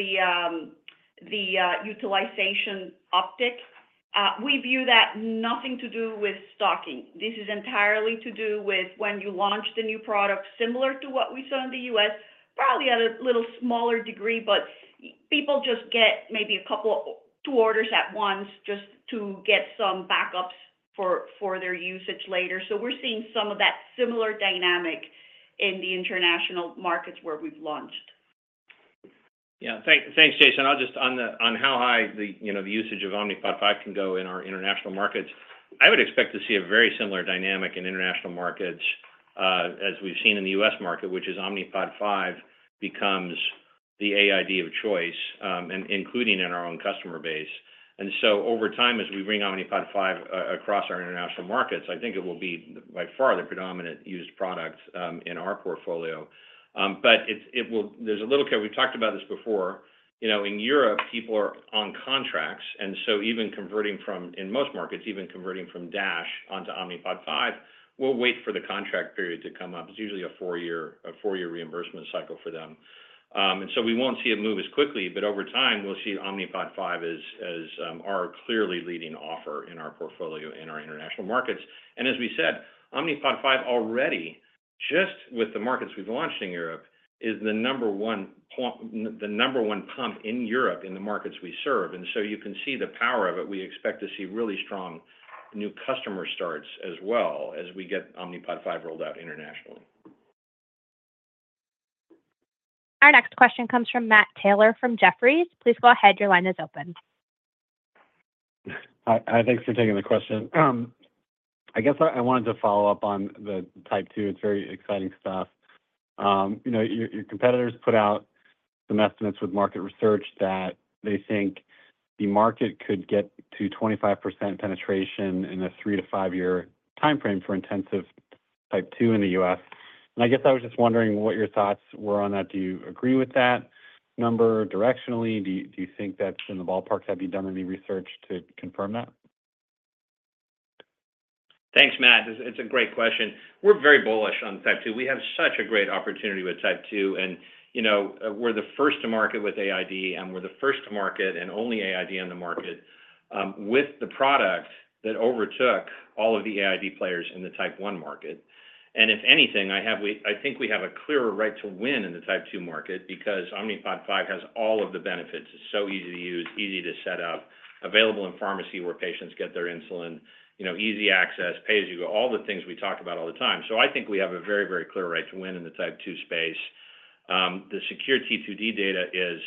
the utilization uptick, we view that nothing to do with stocking. This is entirely to do with when you launch the new product similar to what we saw in the U.S., probably at a little smaller degree, but people just get maybe a couple of two orders at once just to get some backups for their usage later. So we're seeing some of that similar dynamic in the international markets where we've launched. Yeah. Thanks, Jason. I'll just add on how high the usage of Omnipod 5 can go in our international markets. I would expect to see a very similar dynamic in international markets as we've seen in the U.S. market, which is Omnipod 5 becomes the AID of choice, including in our own customer base. And so over time, as we bring Omnipod 5 across our international markets, I think it will be by far the predominant used product in our portfolio. But there's a little caveat we've talked about this before. In Europe, people are on contracts. And so even converting from, in most markets, even converting from DASH onto Omnipod 5, we'll wait for the contract period to come up. It's usually a four-year reimbursement cycle for them. And so we won't see it move as quickly. But over time, we'll see Omnipod 5 as our clearly leading offer in our portfolio in our international markets. As we said, Omnipod 5 already, just with the markets we've launched in Europe, is the number one pump in Europe in the markets we serve. And so you can see the power of it. We expect to see really strong new customer starts as well as we get Omnipod 5 rolled out internationally. Our next question comes from Matt Taylor from Jefferies. Please go ahead. Your line is open. Hi, thanks for taking the question. I guess I wanted to follow up on the Type 2. It's very exciting stuff. Your competitors put out some estimates with market research that they think the market could get to 25% penetration in a three to five-year timeframe for intensive Type 2 in the U.S. And I guess I was just wondering what your thoughts were on that. Do you agree with that number directionally? Do you think that's in the ballpark? Have you done any research to confirm that? Thanks, Matt. It's a great question. We're very bullish on Type 2. We have such a great opportunity with Type 2. And we're the first to market with AID, and we're the first to market and only AID in the market with the product that overtook all of the AID players in the Type 1 market. And if anything, I think we have a clearer right to win in the Type 2 market because Omnipod 5 has all of the benefits. It's so easy to use, easy to set up, available in pharmacy where patients get their insulin, easy access, pay as you go, all the things we talk about all the time. So I think we have a very, very clear right to win in the Type 2 space. The SECURE-T2D data is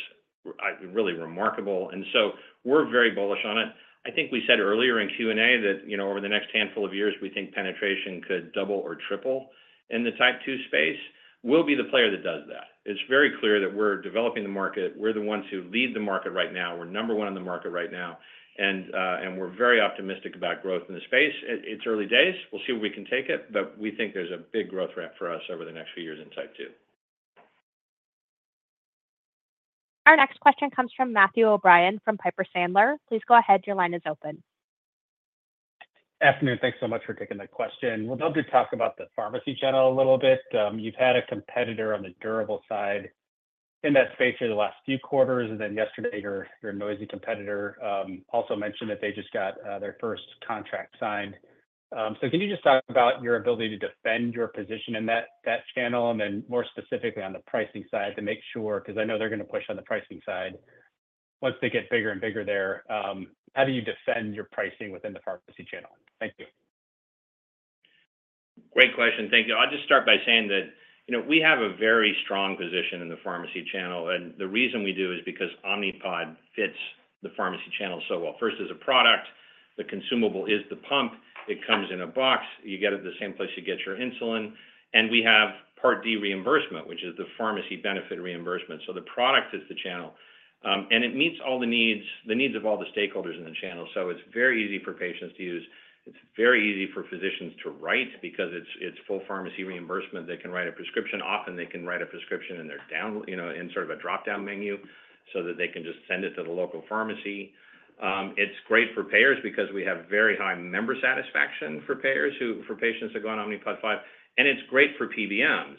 really remarkable, and so we're very bullish on it. I think we said earlier in Q&A that over the next handful of years, we think penetration could double or triple in the type 2 space. We'll be the player that does that. It's very clear that we're developing the market. We're the ones who lead the market right now. We're number one in the market right now, and we're very optimistic about growth in the space. It's early days. We'll see where we can take it, but we think there's a big growth ramp for us over the next few years in type 2. Our next question comes from Matthew O'Brien from Piper Sandler. Please go ahead. Your line is open. Good afternoon. Thanks so much for taking the question. We'd love to talk about the pharmacy channel a little bit. You've had a competitor on the durable side in that space here the last few quarters, and then yesterday, your noisy competitor also mentioned that they just got their first contract signed. So can you just talk about your ability to defend your position in that channel, and then more specifically on the pricing side to make sure, because I know they're going to push on the pricing side once they get bigger and bigger there? How do you defend your pricing within the pharmacy channel? Thank you. Great question. Thank you. I'll just start by saying that we have a very strong position in the pharmacy channel, and the reason we do is because Omnipod fits the pharmacy channel so well. First, as a product, the consumable is the pump. It comes in a box. You get it at the same place you get your insulin. And we have Part D reimbursement, which is the pharmacy benefit reimbursement. So the product is the channel. And it meets all the needs of all the stakeholders in the channel. So it's very easy for patients to use. It's very easy for physicians to write because it's full pharmacy reimbursement. They can write a prescription. Often, they can write a prescription in sort of a drop-down menu so that they can just send it to the local pharmacy. It's great for payers because we have very high member satisfaction for payers for patients that go on Omnipod 5. And it's great for PBMs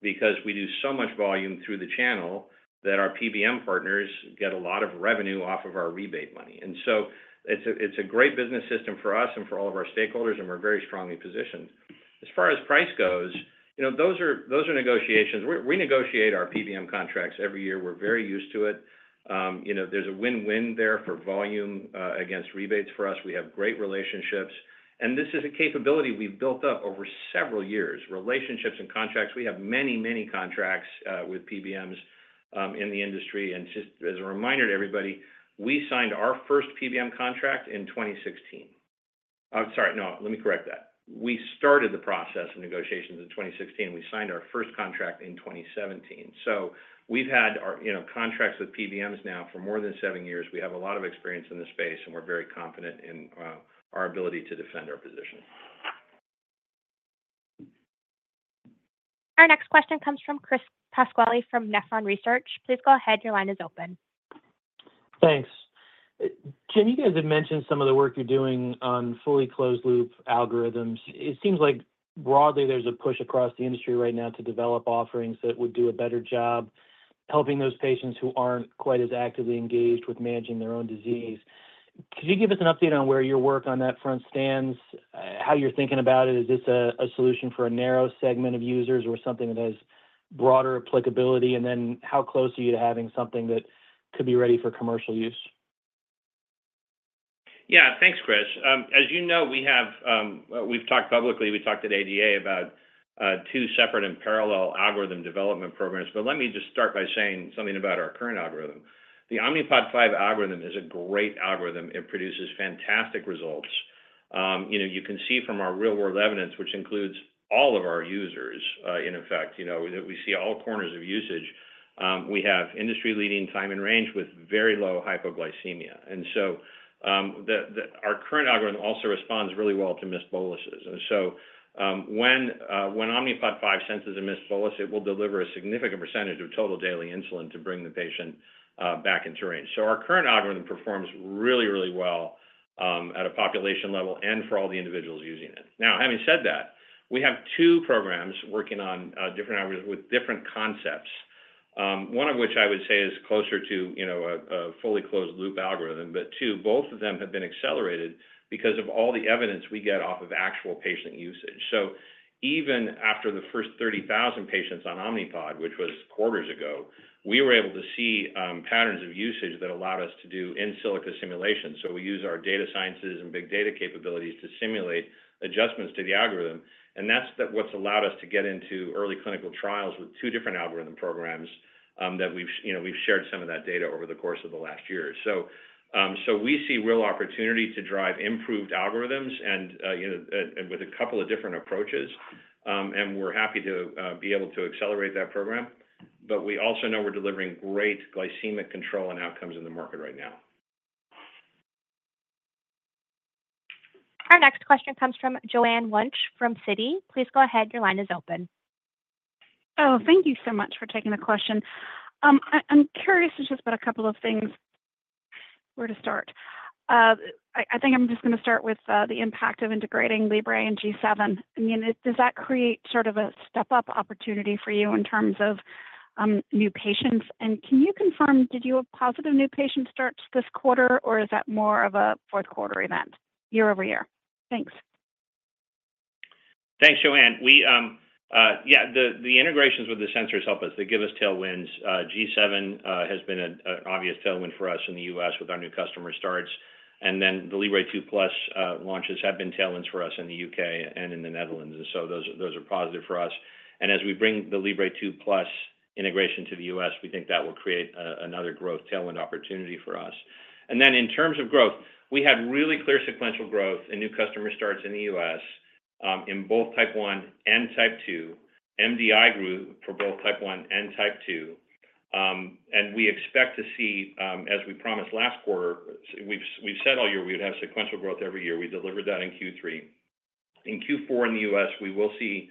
because we do so much volume through the channel that our PBM partners get a lot of revenue off of our rebate money. And so it's a great business system for us and for all of our stakeholders, and we're very strongly positioned. As far as price goes, those are negotiations. We negotiate our PBM contracts every year. We're very used to it. There's a win-win there for volume against rebates for us. We have great relationships. And this is a capability we've built up over several years, relationships and contracts. We have many, many contracts with PBMs in the industry. And just as a reminder to everybody, we signed our first PBM contract in 2016. I'm sorry. No, let me correct that. We started the process of negotiations in 2016. We signed our first contract in 2017. So we've had contracts with PBMs now for more than seven years. We have a lot of experience in this space, and we're very confident in our ability to defend our position. Our next question comes from Chris Pasquale from Nephron Research. Please go ahead. Your line is open. Thanks. Jim, you guys had mentioned some of the work you're doing on fully closed-loop algorithms. It seems like broadly, there's a push across the industry right now to develop offerings that would do a better job helping those patients who aren't quite as actively engaged with managing their own disease. Could you give us an update on where your work on that front stands, how you're thinking about it? Is this a solution for a narrow segment of users or something that has broader applicability? And then how close are you to having something that could be ready for commercial use? Yeah. Thanks, Chris. As you know, we've talked publicly. We talked at ADA about two separate and parallel algorithm development programs. But let me just start by saying something about our current algorithm. The Omnipod 5 algorithm is a great algorithm. It produces fantastic results. You can see from our real-world evidence, which includes all of our users, in effect, that we see all corners of usage. We have industry-leading time and range with very low hypoglycemia, and so our current algorithm also responds really well to missed boluses. And so when Omnipod 5 senses a missed bolus, it will deliver a significant percentage of total daily insulin to bring the patient back into range. So our current algorithm performs really, really well at a population level and for all the individuals using it. Now, having said that, we have two programs working on different algorithms with different concepts, one of which I would say is closer to a fully closed-loop algorithm, but two, both of them have been accelerated because of all the evidence we get off of actual patient usage. So even after the first 30,000 patients on Omnipod, which was quarters ago, we were able to see patterns of usage that allowed us to do in silico simulations. So we use our data sciences and big data capabilities to simulate adjustments to the algorithm. And that's what's allowed us to get into early clinical trials with two different algorithm programs that we've shared some of that data over the course of the last year. So we see real opportunity to drive improved algorithms and with a couple of different approaches. And we're happy to be able to accelerate that program. But we also know we're delivering great glycemic control and outcomes in the market right now. Our next question comes from Joanne Wuensch from Citi. Please go ahead. Your line is open. Oh, thank you so much for taking the question. I'm curious just about a couple of things, where to start. I think I'm just going to start with the impact of integrating Libre and G7. I mean, does that create sort of a step-up opportunity for you in terms of new patients? And can you confirm, did you have positive new patient starts this quarter, or is that more of a fourth-quarter event year over year? Thanks. Thanks, Joanne. Yeah, the integrations with the sensors help us. They give us tailwinds. G7 has been an obvious tailwind for us in the U.S. with our new customer starts. And then the Libre 2+ launches have been tailwinds for us in the U.K. and in the Netherlands. And so those are positive for us. And as we bring the Libre 2+ integration to the U.S., we think that will create another growth tailwind opportunity for us. And then in terms of growth, we had really clear sequential growth and new customer starts in the U.S. in both Type 1 and Type 2. MDI grew for both Type 1 and Type 2, and we expect to see, as we promised last quarter, we've said all year we would have sequential growth every year. We delivered that in Q3. In Q4 in the U.S., we will see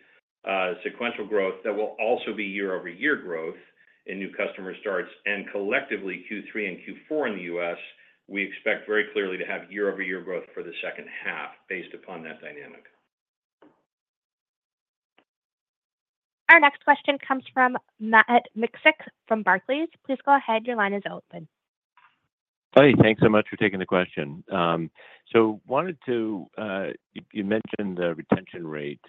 sequential growth that will also be year-over-year growth in new customer starts, and collectively, Q3 and Q4 in the U.S., we expect very clearly to have year-over-year growth for the second half based upon that dynamic. Our next question comes from Matt Miksic from Barclays. Please go ahead. Your line is open. Hi. Thanks so much for taking the question, so you mentioned the retention rate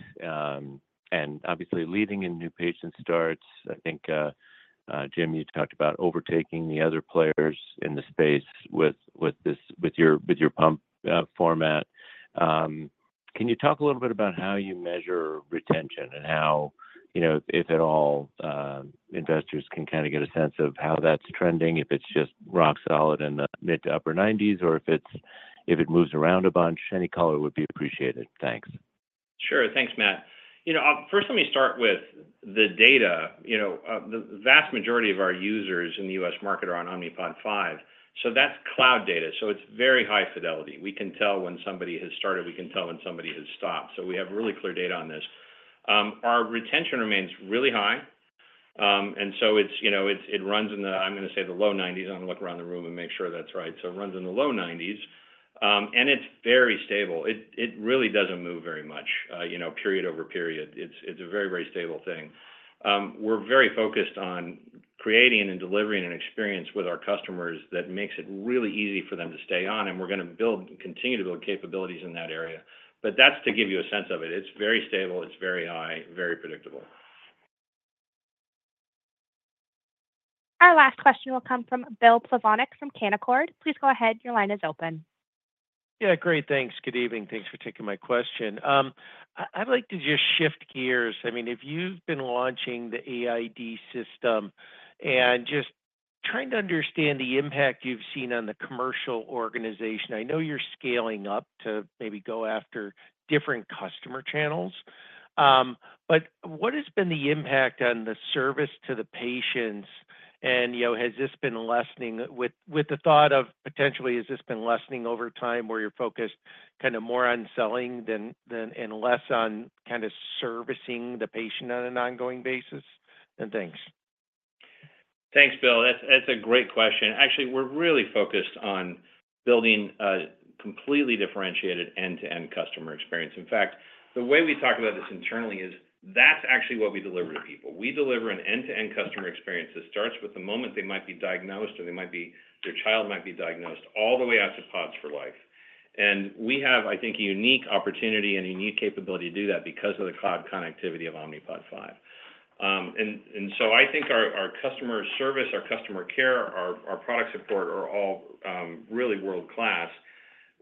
and obviously leading in new patient starts. I think, Jim, you talked about overtaking the other players in the space with your pump format. Can you talk a little bit about how you measure retention and how, if at all, investors can kind of get a sense of how that's trending, if it's just rock solid in the mid- to upper-90s, or if it moves around a bunch? Any color would be appreciated. Thanks. Sure. Thanks, Matt. First, let me start with the data. The vast majority of our users in the U.S. market are on Omnipod 5. So that's cloud data, so it's very high fidelity. We can tell when somebody has started. We can tell when somebody has stopped. So we have really clear data on this. Our retention remains really high, and so it runs in the, I'm going to say, the low 90s. I'm going to look around the room and make sure that's right, so it runs in the low 90s, and it's very stable. It really doesn't move very much, period over period. It's a very, very stable thing. We're very focused on creating and delivering an experience with our customers that makes it really easy for them to stay on, and we're going to continue to build capabilities in that area, but that's to give you a sense of it. It's very stable. It's very high, very predictable. Our last question will come from Bill Plovanic from Canaccord. Please go ahead. Your line is open. Yeah. Great. Thanks. Good evening. Thanks for taking my question. I'd like to just shift gears. I mean, if you've been launching the AID system and just trying to understand the impact you've seen on the commercial organization, I know you're scaling up to maybe go after different customer channels, but what has been the impact on the service to the patients, and has this been lessening over time where you're focused kind of more on selling and less on kind of servicing the patient on an ongoing basis, and thanks. Thanks, Bill. That's a great question. Actually, we're really focused on building a completely differentiated end-to-end customer experience. In fact, the way we talk about this internally is, that's actually what we deliver to people. We deliver an end-to-end customer experience that starts with the moment they might be diagnosed or their child might be diagnosed all the way out to pods for life. We have, I think, a unique opportunity and a unique capability to do that because of the cloud connectivity of Omnipod 5. So I think our customer service, our customer care, our product support are all really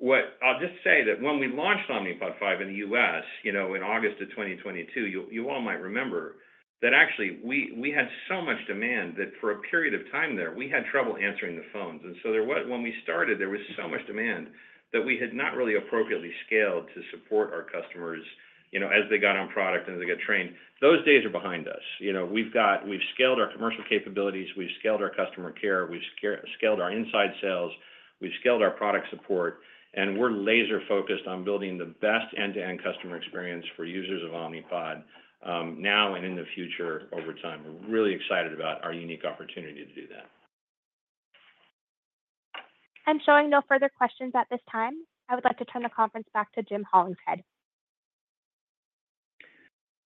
world-class. I'll just say that when we launched Omnipod 5 in the U.S. in August of 2022, you all might remember that actually we had so much demand that for a period of time there, we had trouble answering the phones. When we started, there was so much demand that we had not really appropriately scaled to support our customers as they got on product and as they got trained. Those days are behind us. We've scaled our commercial capabilities. We've scaled our customer care. We've scaled our inside sales. We've scaled our product support. We're laser-focused on building the best end-to-end customer experience for users of Omnipod now and in the future over time. We're really excited about our unique opportunity to do that. Showing no further questions at this time, I would like to turn the conference back to Jim Hollingshead.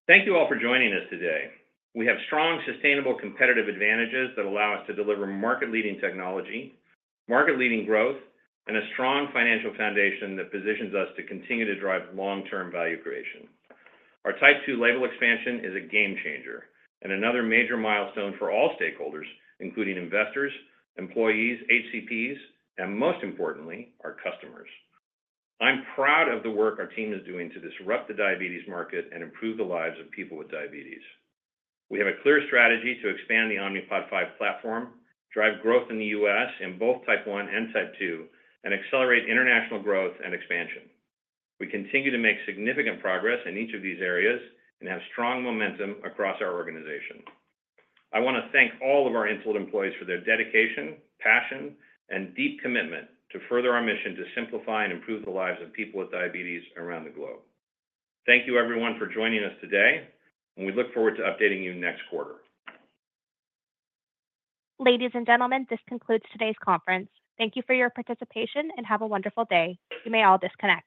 Thank you all for joining us today. We have strong, sustainable, competitive advantages that allow us to deliver market-leading technology, market-leading growth, and a strong financial foundation that positions us to continue to drive long-term value creation. Our Type 2 label expansion is a game changer and another major milestone for all stakeholders, including investors, employees, HCPs, and most importantly, our customers. I'm proud of the work our team is doing to disrupt the diabetes market and improve the lives of people with diabetes. We have a clear strategy to expand the Omnipod 5 platform, drive growth in the U.S. In both Type 1 and Type 2, and accelerate international growth and expansion. We continue to make significant progress in each of these areas and have strong momentum across our organization. I want to thank all of our Insulet employees for their dedication, passion, and deep commitment to further our mission to simplify and improve the lives of people with diabetes around the globe. Thank you, everyone, for joining us today, and we look forward to updating you next quarter. Ladies and gentlemen, this concludes today's conference. Thank you for your participation and have a wonderful day. You may all disconnect.